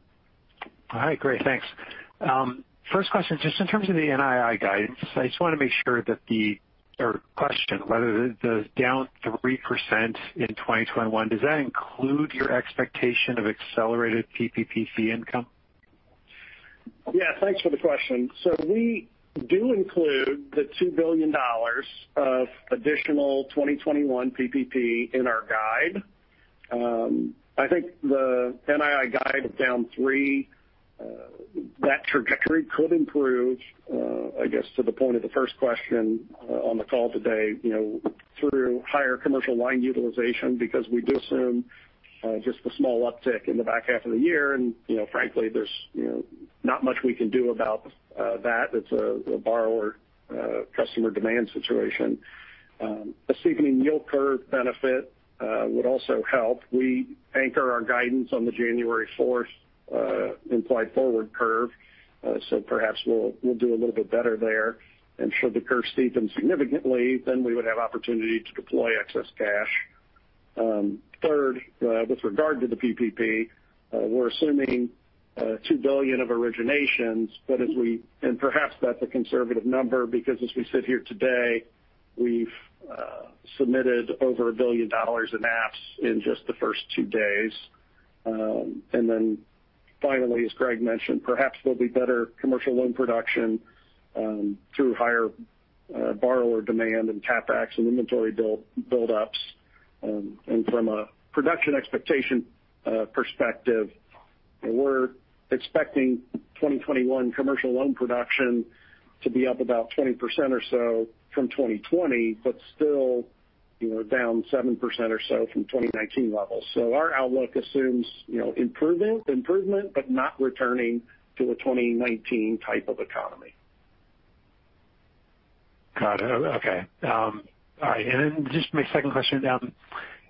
All right. Great. Thanks. First question, just in terms of the NII guidance, I just want to make sure that the other question, whether the down 3% in 2021, does that include your expectation of accelerated PPP fee income? Yeah. Thanks for the question. So we do include the $2 billion of additional 2021 PPP in our guide. I think the NII guide is down 3%. That trajectory could improve, I guess, to the point of the first question on the call today, through higher commercial line utilization because we do assume just a small uptick in the back half of the year. And frankly, there's not much we can do about that. It's a borrower customer demand situation. A steepening yield curve benefit would also help. We anchor our guidance on the January 4th implied forward curve, so perhaps we'll do a little bit better there. And should the curve steepen significantly, then we would have opportunity to deploy excess cash. Third, with regard to the PPP, we're assuming $2 billion of originations. And perhaps that's a conservative number because as we sit here today, we've submitted over $1 billion in apps in just the first two days. And then finally, as Greg mentioned, perhaps there'll be better commercial loan production through higher borrower demand and capex and inventory build-ups. And from a production expectation perspective, we're expecting 2021 commercial loan production to be up about 20% or so from 2020, but still down 7% or so from 2019 levels. So our outlook assumes improvement, but not returning to a 2019 type of economy. Got it. Okay. All right. And then just my second question.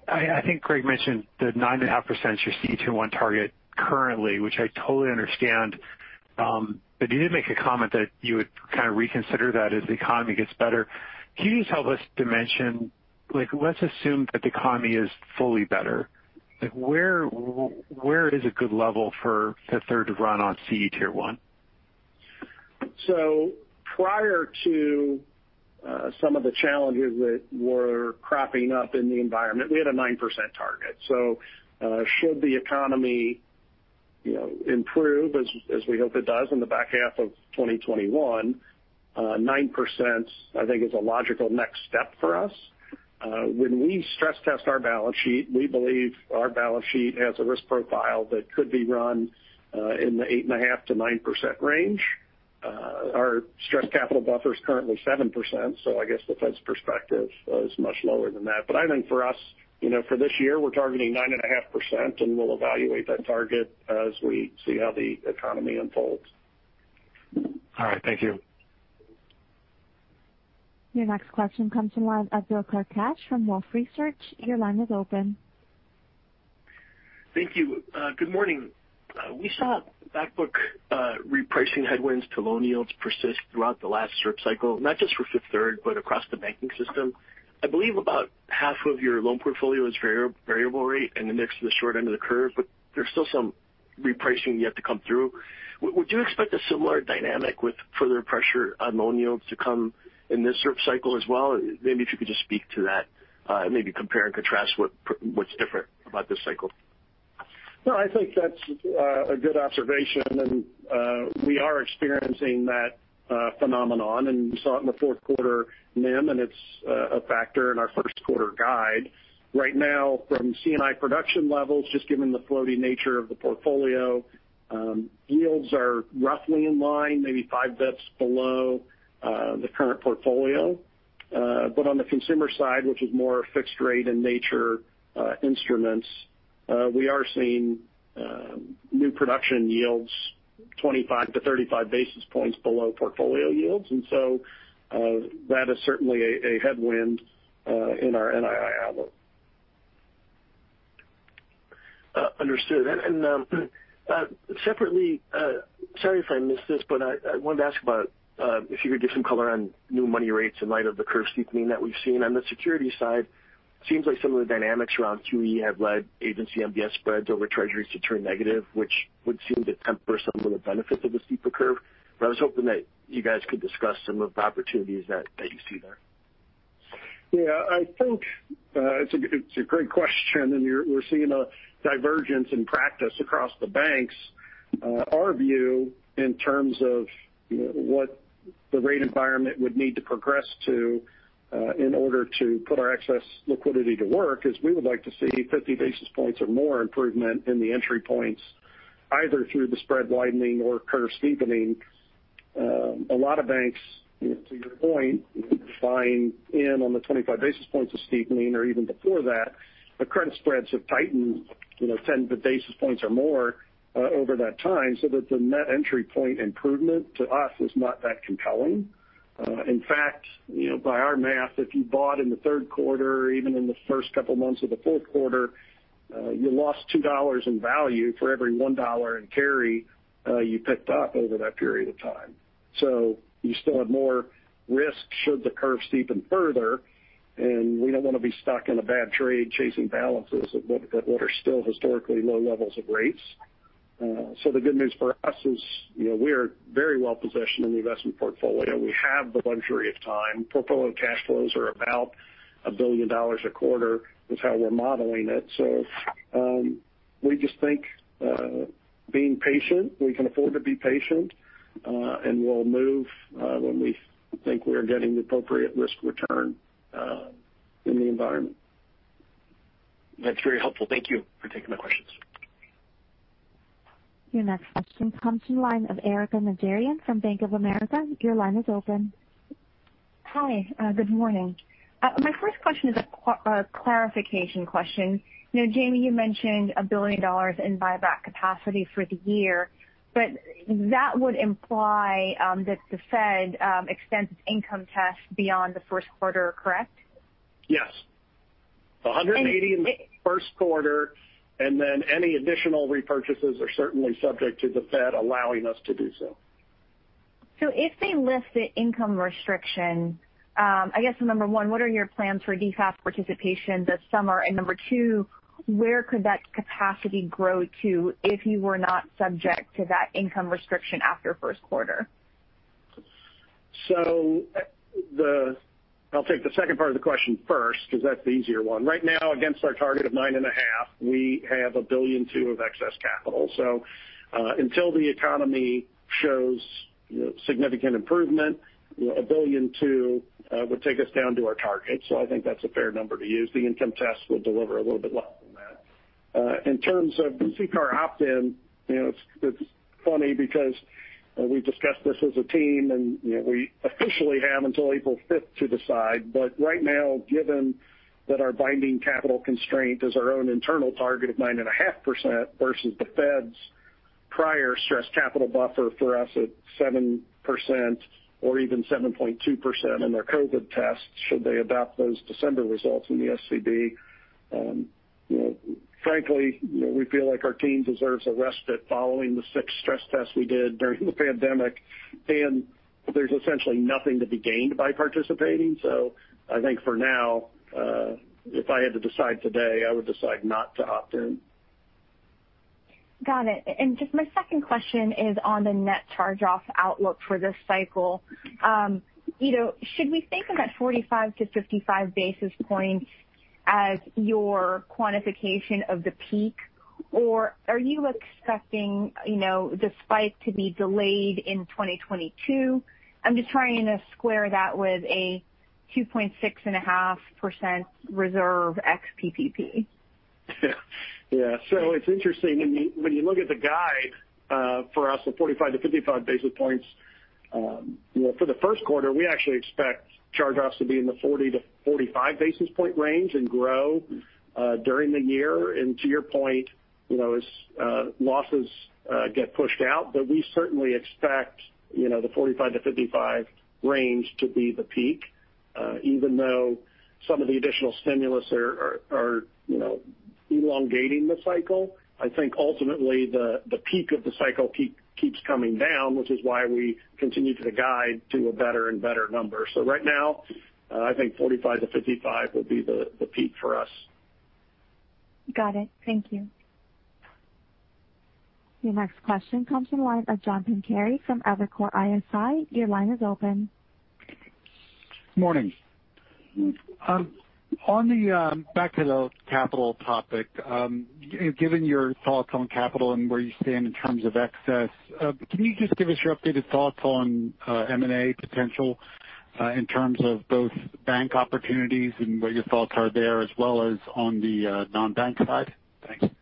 I think Greg mentioned the 9.5%, your CET1 target currently, which I totally understand, but you did make a comment that you would kind of reconsider that as the economy gets better. Can you just help us understand? Let's assume that the economy is fully better. Where is a good level for Fifth Third to run on CET1? So prior to some of the challenges that were cropping up in the environment, we had a 9% target. So should the economy improve, as we hope it does in the back half of 2021, 9%, I think, is a logical next step for us. When we stress test our balance sheet, we believe our balance sheet has a risk profile that could be run in the 8.5%-9% range. Our stress capital buffer is currently 7%, so I guess the Fed's perspective is much lower than that. But I think for us, for this year, we're targeting 9.5%, and we'll evaluate that target as we see how the economy unfolds. All right. Thank you. Your next question comes from the line of Bill Carcache from Wolfe Research. Your line is open. Thank you. Good morning. We saw backbook repricing headwinds to loan yields persist throughout the last ZIRP cycle, not just for Fifth Third, but across the banking system. I believe about half of your loan portfolio is variable rate and indexed to the short end of the curve, but there's still some repricing yet to come through. Would you expect a similar dynamic with further pressure on loan yields to come in this ZIRP cycle as well? Maybe if you could just speak to that, maybe compare and contrast what's different about this cycle. No, I think that's a good observation, and we are experiencing that phenomenon, and we saw it in the fourth quarter NIM, and it's a factor in our first quarter guide. Right now, from C&I production levels, just given the floaty nature of the portfolio, yields are roughly in line, maybe five basis points below the current portfolio. But on the consumer side, which is more fixed rate in nature instruments, we are seeing new production yields 25-35 basis points below portfolio yields. And so that is certainly a headwind in our NII outlook. Understood. And separately, sorry if I missed this, but I wanted to ask about if you could give some color on new money rates in light of the curve steepening that we've seen. On the security side, it seems like some of the dynamics around QE have led agency MBS spreads over treasuries to turn negative, which would seem to temper some of the benefits of the steeper curve. But I was hoping that you guys could discuss some of the opportunities that you see there. Yeah. I think it's a great question, and we're seeing a divergence in practice across the banks. Our view in terms of what the rate environment would need to progress to in order to put our excess liquidity to work is we would like to see 50 basis points or more improvement in the entry points, either through the spread widening or curve steepening. A lot of banks, to your point, buying in on the 25 basis points of steepening or even before that, the credit spreads have tightened 10 basis points or more over that time, so that the net entry point improvement to us is not that compelling. In fact, by our math, if you bought in the third quarter, even in the first couple of months of the fourth quarter, you lost $2 in value for every $1 in carry you picked up over that period of time. So you still have more risk should the curve steepen further, and we don't want to be stuck in a bad trade chasing balances at what are still historically low levels of rates. So the good news for us is we are very well positioned in the investment portfolio. We have the luxury of time. Portfolio cash flows are about $1 billion a quarter, is how we're modeling it. So we just think, being patient, we can afford to be patient, and we'll move when we think we're getting the appropriate risk return in the environment. That's very helpful. Thank you for taking my questions. Your next question comes from the line of Erika Najarian from Bank of America. Your line is open. Hi. Good morning. My first question is a clarification question. Jamie, you mentioned $1 billion in buyback capacity for the year, but that would imply that the Fed extends its income test beyond the first quarter, correct? Yes. $180 million in the first quarter, and then any additional repurchases are certainly subject to the Fed allowing us to do so. So if they lift the income restriction, I guess number one, what are your plans for DFAST participation this summer? And number two, where could that capacity grow to if you were not subject to that income restriction after first quarter? So I'll take the second part of the question first because that's the easier one. Right now, against our target of 9.5%, we have $1.2 billion of excess capital. So until the economy shows significant improvement, $1.2 billion would take us down to our target. So I think that's a fair number to use. The income test will deliver a little bit less than that. In terms of CCAR opt-in, it's funny because we've discussed this as a team, and we officially have until April 5th to decide. But right now, given that our binding capital constraint is our own internal target of 9.5% versus the Fed's prior stress capital buffer for us at 7% or even 7.2% in their COVID tests should they adopt those December results in the SCB, frankly, we feel like our team deserves a respite following the six stress tests we did during the pandemic, and there's essentially nothing to be gained by participating. So I think for now, if I had to decide today, I would decide not to opt in. Got it. And just my second question is on the net charge-off outlook for this cycle. Should we think of that 45-55 basis points as your quantification of the peak, or are you expecting the spike to be delayed in 2022? I'm just trying to square that with a 2.65% reserve ex PPP. Yeah. Yeah. So it's interesting. When you look at the guide for us, the 45-55 basis points, for the first quarter, we actually expect charge-offs to be in the 40-45 basis point range and grow during the year. And to your point, as losses get pushed out, but we certainly expect the 45-55 range to be the peak, even though some of the additional stimulus are elongating the cycle. I think ultimately the peak of the cycle keeps coming down, which is why we continue to guide to a better and better number. So right now, I think 45-55 would be the peak for us. Got it. Thank you. Your next question comes from the line of John Pancari from Evercore ISI. Your line is open. Good morning. On the back of the capital topic, given your thoughts on capital and where you stand in terms of excess, can you just give us your updated thoughts on M&A potential in terms of both bank opportunities and what your thoughts are there, as well as on the non-bank side? Thanks.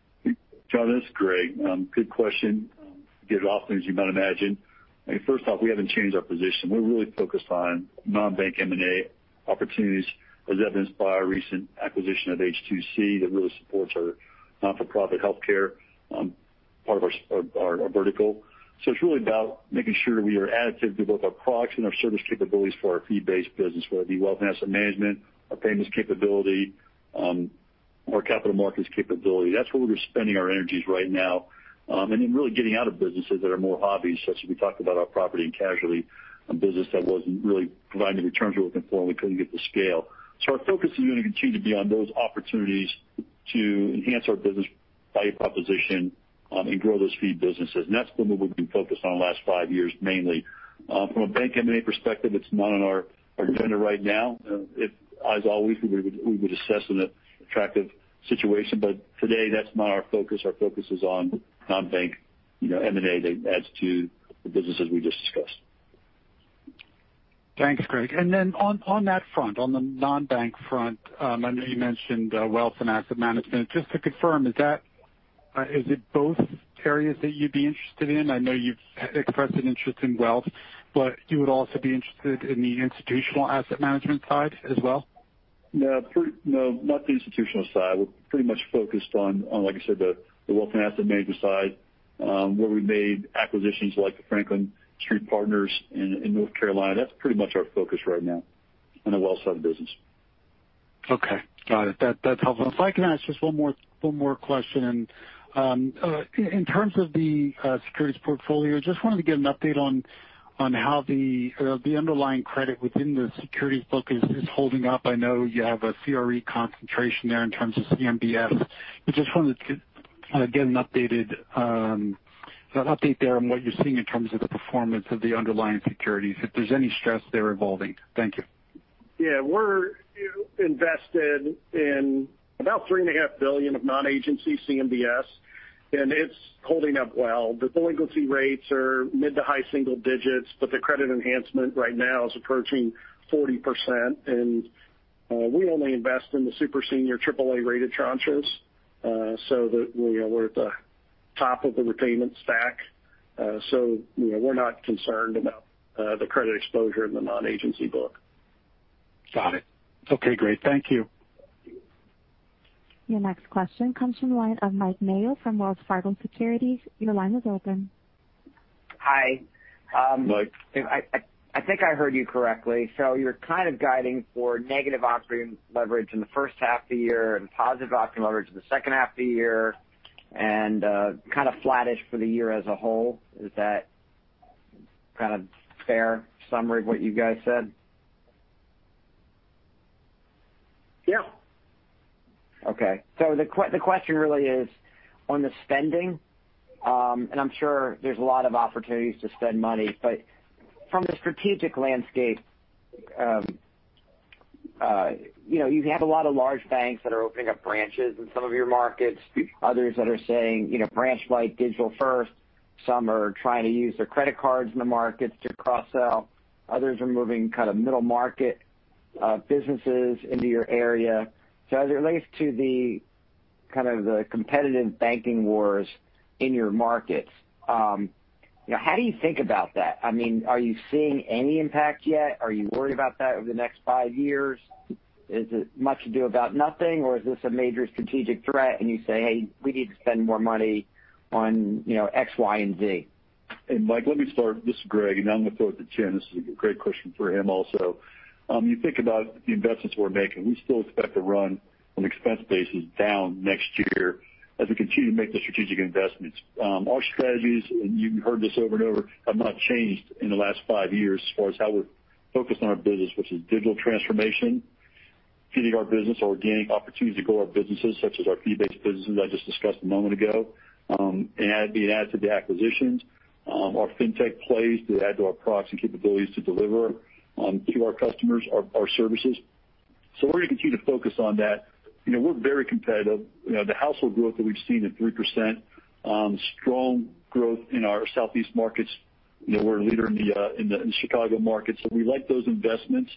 John, this is Greg. Good question. We get it often, as you might imagine. First off, we haven't changed our position. We're really focused on non-bank M&A opportunities, as evidenced by our recent acquisition of H2C that really supports our non-for-profit healthcare part of our vertical. So it's really about making sure we are additive to both our products and our service capabilities for our fee-based business, whether it be wealth asset management, our payments capability, or capital markets capability. That's where we're spending our energies right now. And then really getting out of businesses that are more hobbies, such as we talked about our property and casualty business that wasn't really providing the returns we're looking for and we couldn't get the scale. So our focus is going to continue to be on those opportunities to enhance our business value proposition and grow those fee businesses. And that's been what we've been focused on the last five years mainly. From a bank M&A perspective, it's not on our agenda right now. As always, we would assess in an attractive situation, but today that's not our focus. Our focus is on non-bank M&A that adds to the businesses we just discussed. Thanks, Greg. And then on that front, on the non-bank front, I know you mentioned wealth and asset management. Just to confirm, is it both areas that you'd be interested in? I know you've expressed an interest in wealth, but you would also be interested in the institutional asset management side as well? No, not the institutional side. We're pretty much focused on, like I said, the wealth and asset management side, where we've made acquisitions like the Franklin Street Partners in North Carolina. That's pretty much our focus right now on the wealth side of business. Okay. Got it. That's helpful. If I can ask just one more question. In terms of the securities portfolio, just wanted to get an update on how the underlying credit within the securities book is holding up. I know you have a CRE concentration there in terms of CMBS. Just wanted to get an update there on what you're seeing in terms of the performance of the underlying securities, if there's any stress there evolving. Thank you. Yeah. We're invested in about $3.5 billion of non-agency CMBS, and it's holding up well. The delinquency rates are mid- to high-single digits, but the credit enhancement right now is approaching 40%. And we only invest in the super senior AAA-rated tranches, so that we're at the top of the repayment stack. So we're not concerned about the credit exposure in the non-agency book. Got it. Okay, great. Thank you. Your next question comes from the line of Mike Mayo from Wells Fargo Securities. Your line is open. Hi. I think I heard you correctly. So you're kind of guiding for negative operating leverage in the first half of the year and positive operating leverage in the second half of the year, and kind of flattish for the year as a whole. Is that kind of fair summary of what you guys said? Yeah. Okay. So the question really is on the spending, and I'm sure there's a lot of opportunities to spend money. But from the strategic landscape, you have a lot of large banks that are opening up branches in some of your markets, others that are saying branch-like digital first. Some are trying to use their credit cards in the markets to cross-sell. Others are moving kind of middle market businesses into your area. So as it relates to kind of the competitive banking wars in your markets, how do you think about that? I mean, are you seeing any impact yet? Are you worried about that over the next five years? Is it much to do about nothing, or is this a major strategic threat and you say, "Hey, we need to spend more money on X, Y, and Z"? Mike, let me start. This is Greg, and I'm going to throw it to Tim. This is a great question for him also. You think about the investments we're making, we still expect to run on expense basis down next year as we continue to make the strategic investments. Our strategies, and you've heard this over and over, have not changed in the last five years as far as how we're focused on our business, which is digital transformation, feeding our business, or gaining opportunities to grow our businesses, such as our fee-based businesses I just discussed a moment ago, and being added to the acquisitions. Our fintech plays to add to our products and capabilities to deliver to our customers our services, so we're going to continue to focus on that. We're very competitive. The household growth that we've seen at 3%, strong growth in our Southeast markets. We're a leader in the Chicago market, so we like those investments,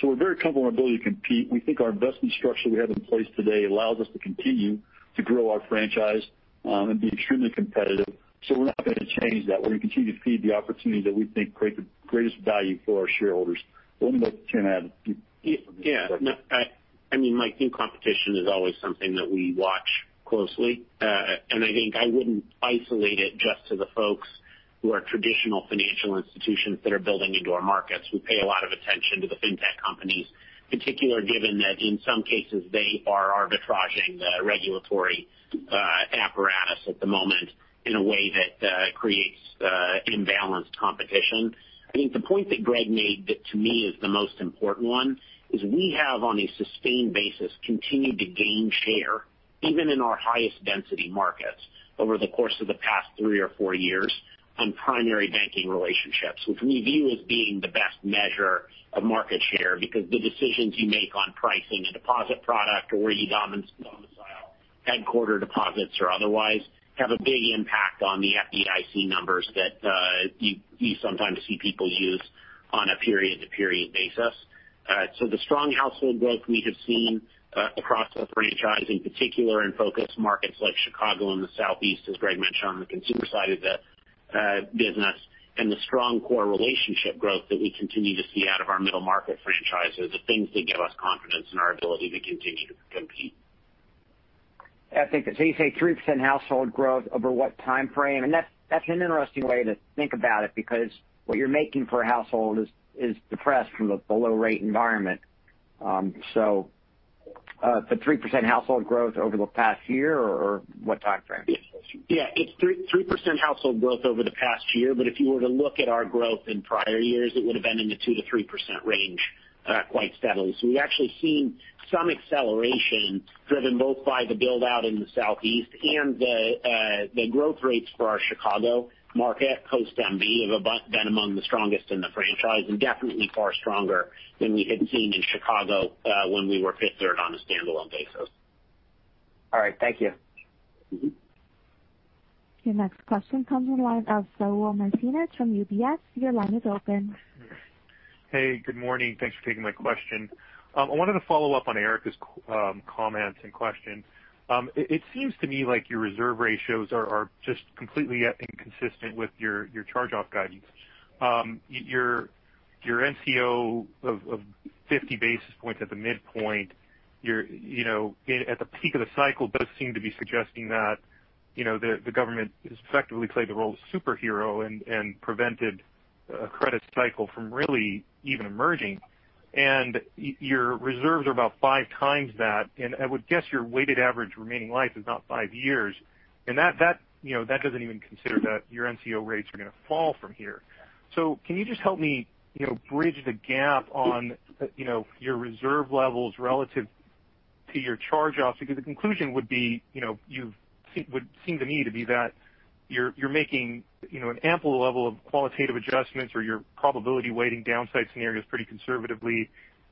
so we're very comfortable in our ability to compete. We think our investment structure we have in place today allows us to continue to grow our franchise and be extremely competitive, so we're not going to change that. We're going to continue to feed the opportunity that we think creates the greatest value for our shareholders. Let me let Tim add a few. Yeah. I mean, Mike, new competition is always something that we watch closely, and I think I wouldn't isolate it just to the folks who are traditional financial institutions that are building into our markets. We pay a lot of attention to the fintech companies, particularly given that in some cases they are arbitraging the regulatory apparatus at the moment in a way that creates imbalanced competition. I think the point that Greg made, that to me is the most important one, is we have, on a sustained basis, continued to gain share, even in our highest density markets, over the course of the past three or four years on primary banking relationships, which we view as being the best measure of market share because the decisions you make on pricing a deposit product or where you domicile headquarter deposits or otherwise have a big impact on the FDIC numbers that you sometimes see people use on a period-to-period basis. The strong household growth we have seen across the franchise, in particular in focus markets like Chicago and the Southeast, as Greg mentioned on the consumer side of the business, and the strong core relationship growth that we continue to see out of our middle market franchise are the things that give us confidence in our ability to continue to compete. You say 3% household growth over what time frame? And that's an interesting way to think about it because what you're making for a household is depressed from a below-rate environment. The 3% household growth over the past year or what time frame? Yeah. It's 3% household growth over the past year, but if you were to look at our growth in prior years, it would have been in the 2%-3% range quite steadily. So we've actually seen some acceleration driven both by the build-out in the Southeast and the growth rates for our Chicago market post-MB have been among the strongest in the franchise and definitely far stronger than we had seen in Chicago when we were Fifth Third on a standalone basis. All right. Thank you. Your next question comes from the line of Saul Martinez from UBS. Your line is open. Hey, good morning. Thanks for taking my question. I wanted to follow up on Erika's comments and question. It seems to me like your reserve ratios are just completely inconsistent with your charge-off guidance. Your NCO of 50 basis points at the midpoint, at the peak of the cycle, does seem to be suggesting that the government has effectively played the role of superhero and prevented a credit cycle from really even emerging. Your reserves are about five times that, and I would guess your weighted average remaining life is not five years. That doesn't even consider that your NCO rates are going to fall from here. So can you just help me bridge the gap on your reserve levels relative to your charge-offs? Because the conclusion would seem to me to be that you're making an ample level of qualitative adjustments or your probability-weighting downside scenarios pretty conservatively,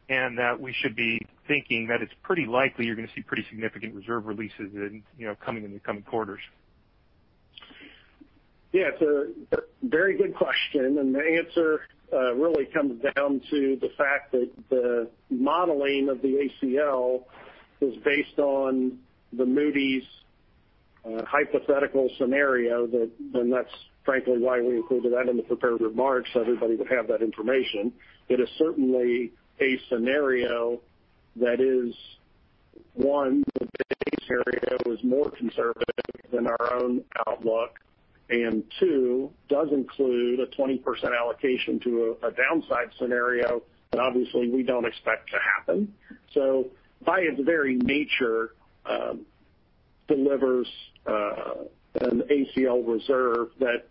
and that we should be thinking that it's pretty likely you're going to see pretty significant reserve releases coming in the coming quarters. Yeah. It's a very good question. The answer really comes down to the fact that the modeling of the ACL is based on the Moody's hypothetical scenario, and that's frankly why we included that in the prepared remarks so everybody would have that information. It is certainly a scenario that is, one, the base scenario is more conservative than our own outlook, and two, does include a 20% allocation to a downside scenario that obviously we don't expect to happen. So by its very nature, delivers an ACL reserve that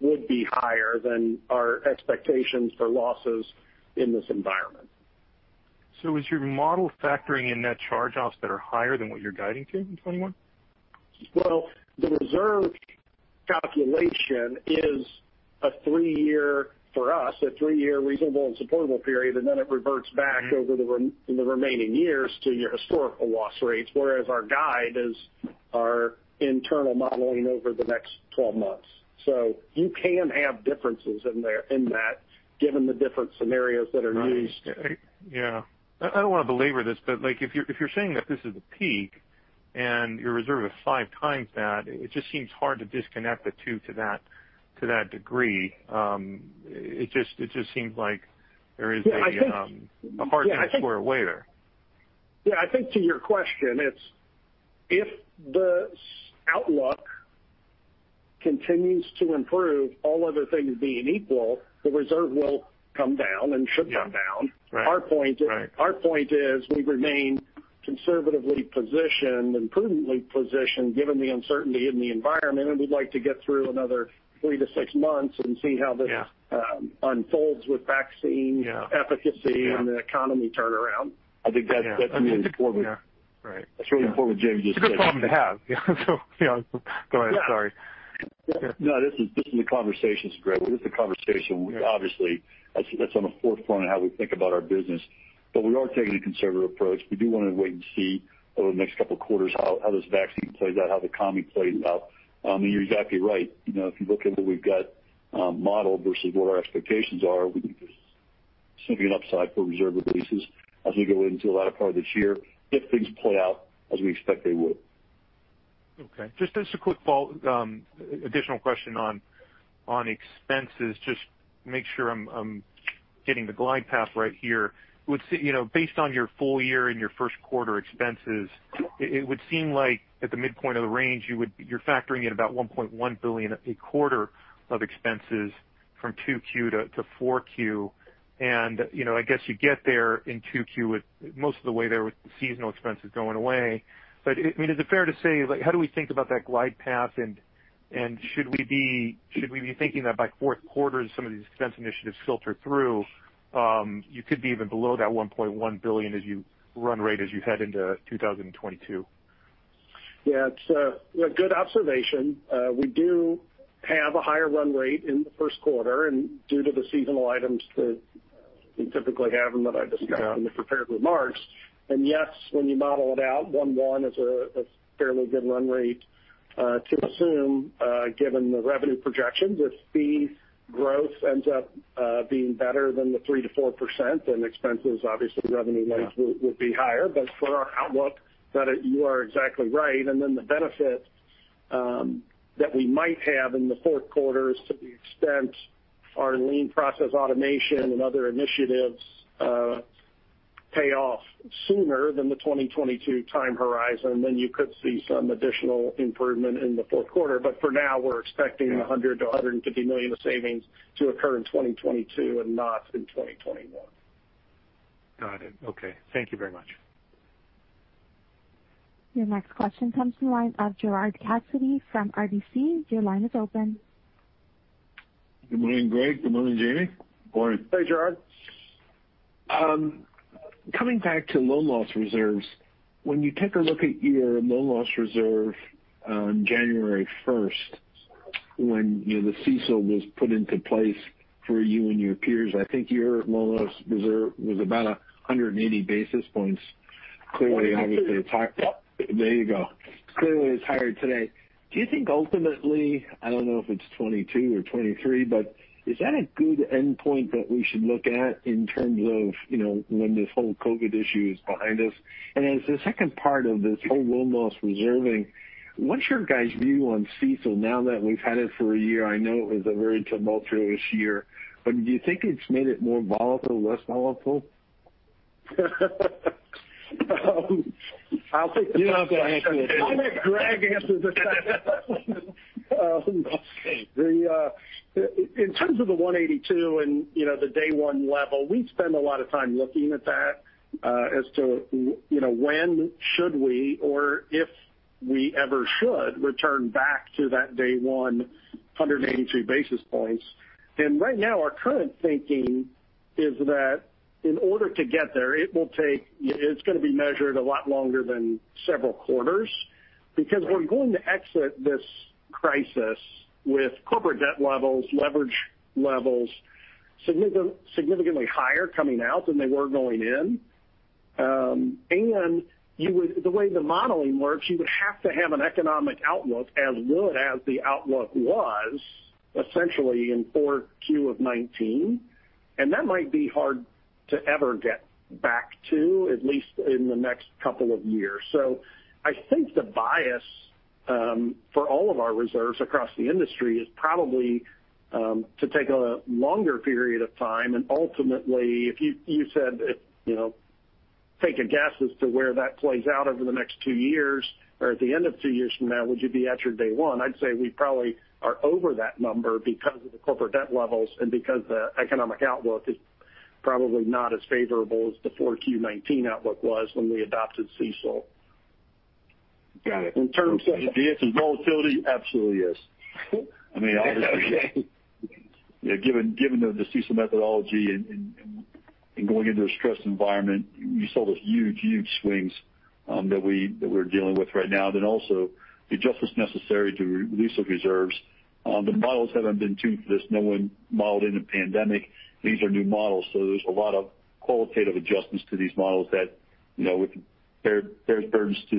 would be higher than our expectations for losses in this environment. So is your model factoring in net charge-offs that are higher than what you're guiding to in 2021? Well, the reserve calculation is a three-year, for us, a three-year reasonable and supportable period, and then it reverts back over the remaining years to your historical loss rates, whereas our guide is our internal modeling over the next 12 months. So you can have differences in that given the different scenarios that are used. Yeah. I don't want to belabor this, but if you're saying that this is the peak and your reserve is five times that, it just seems hard to disconnect the two to that degree. It just seems like there is a hard-to-explain waiver. Yeah. I think to your question, if the outlook continues to improve, all other things being equal, the reserve will come down and should come down. Our point is we remain conservatively positioned and prudently positioned given the uncertainty in the environment, and we'd like to get through another three to six months and see how this unfolds with vaccine efficacy and the economy turnaround. I think that's really important. Right. Yeah. With what Jamie just said. It's a good problem to have. Yeah. So go ahead. Sorry. No, this is a conversation, Greg. It is a conversation. Obviously, that's on the forefront of how we think about our business. But we are taking a conservative approach. We do want to wait and see over the next couple of quarters how this vaccine plays out, how the economy plays out. And you're exactly right. If you look at what we've got modeled versus what our expectations are, we can get significant upside for reserve releases as we go into the latter part of this year, if things play out as we expect they would. Okay. Just a quick additional question on expenses. Just make sure I'm getting the glide path right here. Based on your full year and your first quarter expenses, it would seem like at the midpoint of the range, you're factoring in about $1.1 billion a quarter of expenses from 2Q to 4Q. And I guess you get there in 2Q most of the way there with seasonal expenses going away. But I mean, is it fair to say, how do we think about that glide path, and should we be thinking that by fourth quarter as some of these expense initiatives filter through, you could be even below that $1.1 billion as your run rate as you head into 2022? Yeah. It's a good observation. We do have a higher run rate in the first quarter due to the seasonal items that we typically have and that I discussed in the prepared remarks. And yes, when you model it out, $1.1 is a fairly good run rate to assume given the revenue projections. If fee growth ends up being better than the 3%-4%, then expenses, obviously, revenue-linked would be higher. But for our outlook, you are exactly right. And then the benefit that we might have in the fourth quarter is to the extent our lean process automation and other initiatives pay off sooner than the 2022 time horizon, then you could see some additional improvement in the fourth quarter. But for now, we're expecting $100 million-$150 million of savings to occur in 2022 and not in 2021. Got it. Okay. Thank you very much. Your next question comes from the line of Gerard Cassidy from RBC. Your line is open. Good morning, Greg. Good morning, Jamie. Good morning. Hey, Gerard. Coming back to loan loss reserves, when you take a look at your loan loss reserve on January 1st, when the CECL was put into place for you and your peers, I think your loan loss reserve was about 180 basis points. Clearly, obviously, it's higher. There you go. Clearly, it's higher today. Do you think ultimately, I don't know if it's 2022 or 2023, but is that a good endpoint that we should look at in terms of when this whole COVID issue is behind us? And as the second part of this whole loan loss reserving, what's your guys' view on CECL now that we've had it for a year? I know it was a very tumultuous year, but do you think it's made it more volatile, less volatile? I'll take the question. You're not going to answer the question. I'll let Greg answer the question. In terms of the 182 and the day-one level, we spend a lot of time looking at that as to when should we, or if we ever should, return back to that day-one 182 basis points. And right now, our current thinking is that in order to get there, it will take. It's going to be measured a lot longer than several quarters because we're going to exit this crisis with corporate debt levels, leverage levels significantly higher coming out than they were going in. And the way the modeling works, you would have to have an economic outlook as good as the outlook was essentially in 4Q of '19. And that might be hard to ever get back to, at least in the next couple of years. So I think the bias for all of our reserves across the industry is probably to take a longer period of time. And ultimately, if you said, "Take a guess as to where that plays out over the next two years or at the end of two years from now," would you be at your day one? I'd say we probably are over that number because of the corporate debt levels and because the economic outlook is probably not as favorable as the 4Q 2019 outlook was when we adopted CECL. Got it. In terms of-- volatility, absolutely is. I mean, obviously, given the CECL methodology and going into a stressed environment, you saw those huge, huge swings that we're dealing with right now. Then also, the adjustments necessary to release those reserves. The models haven't been tuned for this. No one modeled in the pandemic. These are new models. So there's a lot of qualitative adjustments to these models that with various burdens to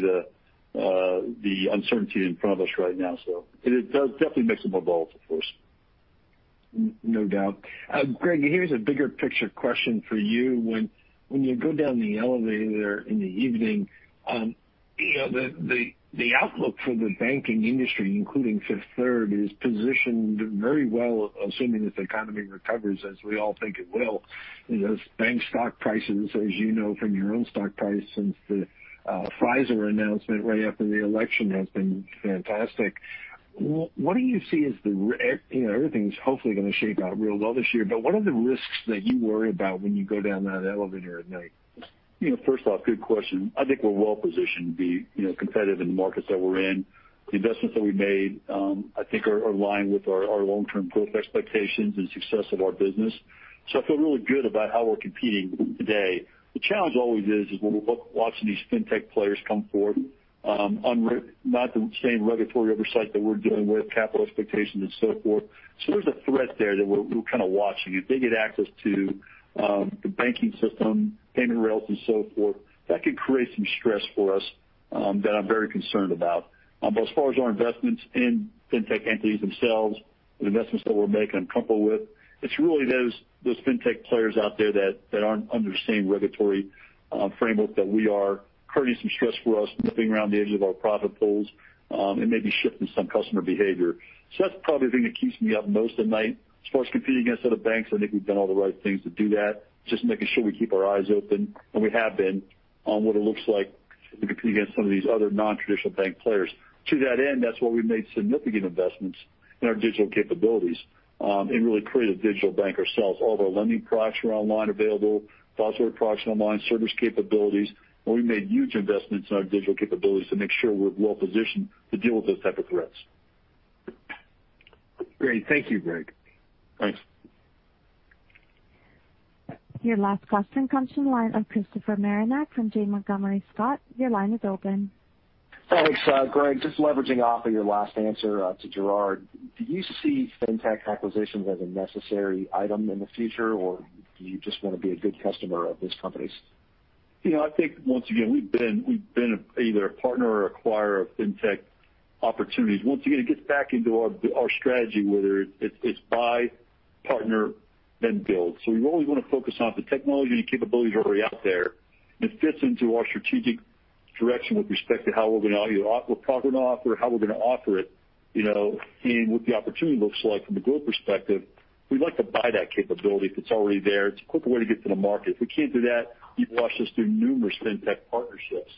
the uncertainty in front of us right now. So it does definitely make them more volatile, of course. No doubt. Greg, here's a bigger picture question for you. When you go down the elevator in the evening, the outlook for the banking industry, including Fifth Third, is positioned very well, assuming this economy recovers, as we all think it will. Bank stock prices, as you know from your own stock price since the Pfizer announcement right after the election, have been fantastic. What do you see as the everything's hopefully going to shake out real well this year, but what are the risks that you worry about when you go down that elevator at night? First off, good question. I think we're well positioned to be competitive in the markets that we're in. The investments that we made, I think, are aligned with our long-term growth expectations and success of our business. So I feel really good about how we're competing today. The challenge always is when we're watching these fintech players come forth, not the same regulatory oversight that we're dealing with, capital expectations, and so forth. So there's a threat there that we're kind of watching. If they get access to the banking system, payment rails, and so forth, that can create some stress for us that I'm very concerned about. But as far as our investments in fintech entities themselves, the investments that we're making, I'm comfortable with. It's really those fintech players out there that aren't under the same regulatory framework that we are, creating some stress for us, nipping around the edge of our profit pools, and maybe shifting some customer behavior. So that's probably the thing that keeps me up most at night. As far as competing against other banks, I think we've done all the right things to do that, just making sure we keep our eyes open, and we have been on what it looks like to compete against some of these other non-traditional bank players. To that end, that's why we've made significant investments in our digital capabilities and really created a digital bank ourselves. All of our lending products are online available, business products are online, service capabilities. And we've made huge investments in our digital capabilities to make sure we're well positioned to deal with those types of threats. Great. Thank you, Greg. Thanks. Your last question comes from the line of Christopher Marinac from Janney Montgomery Scott. Your line is open. Thanks, Greg. Just leveraging off of your last answer to Gerard, do you see fintech acquisitions as a necessary item in the future, or do you just want to be a good customer of these companies? I think, once again, we've been either a partner or an acquirer of fintech opportunities. Once again, it gets back into our strategy, whether it's buy, partner, then build. So we always want to focus on the technology and capabilities already out there. And it fits into our strategic direction with respect to how we're going to offer it, how we're going to offer it, and what the opportunity looks like from a growth perspective. We'd like to buy that capability if it's already there. It's a quick way to get to the market. If we can't do that, you've watched us do numerous fintech partnerships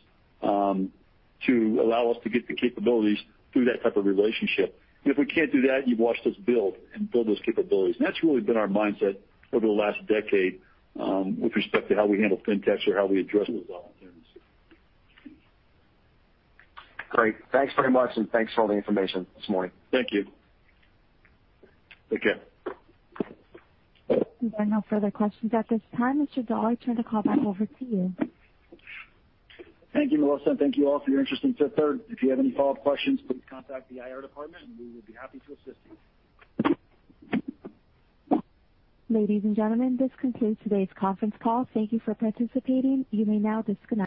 to allow us to get the capabilities through that type of relationship. If we can't do that, you've watched us build and build those capabilities. And that's really been our mindset over the last decade with respect to how we handle fintechs or how we address those volatilities. Great. Thanks very much, and thanks for all the information this morning. Thank you. Take care. There are no further questions at this time. Mr. Doll, I turn the call back over to you. Thank you, Melissa. And thank you all for your interest in Fifth Third. If you have any follow-up questions, please contact the IR department, and we will be happy to assist you. Ladies and gentlemen, this concludes today's conference call. Thank you for participating. You may now disconnect.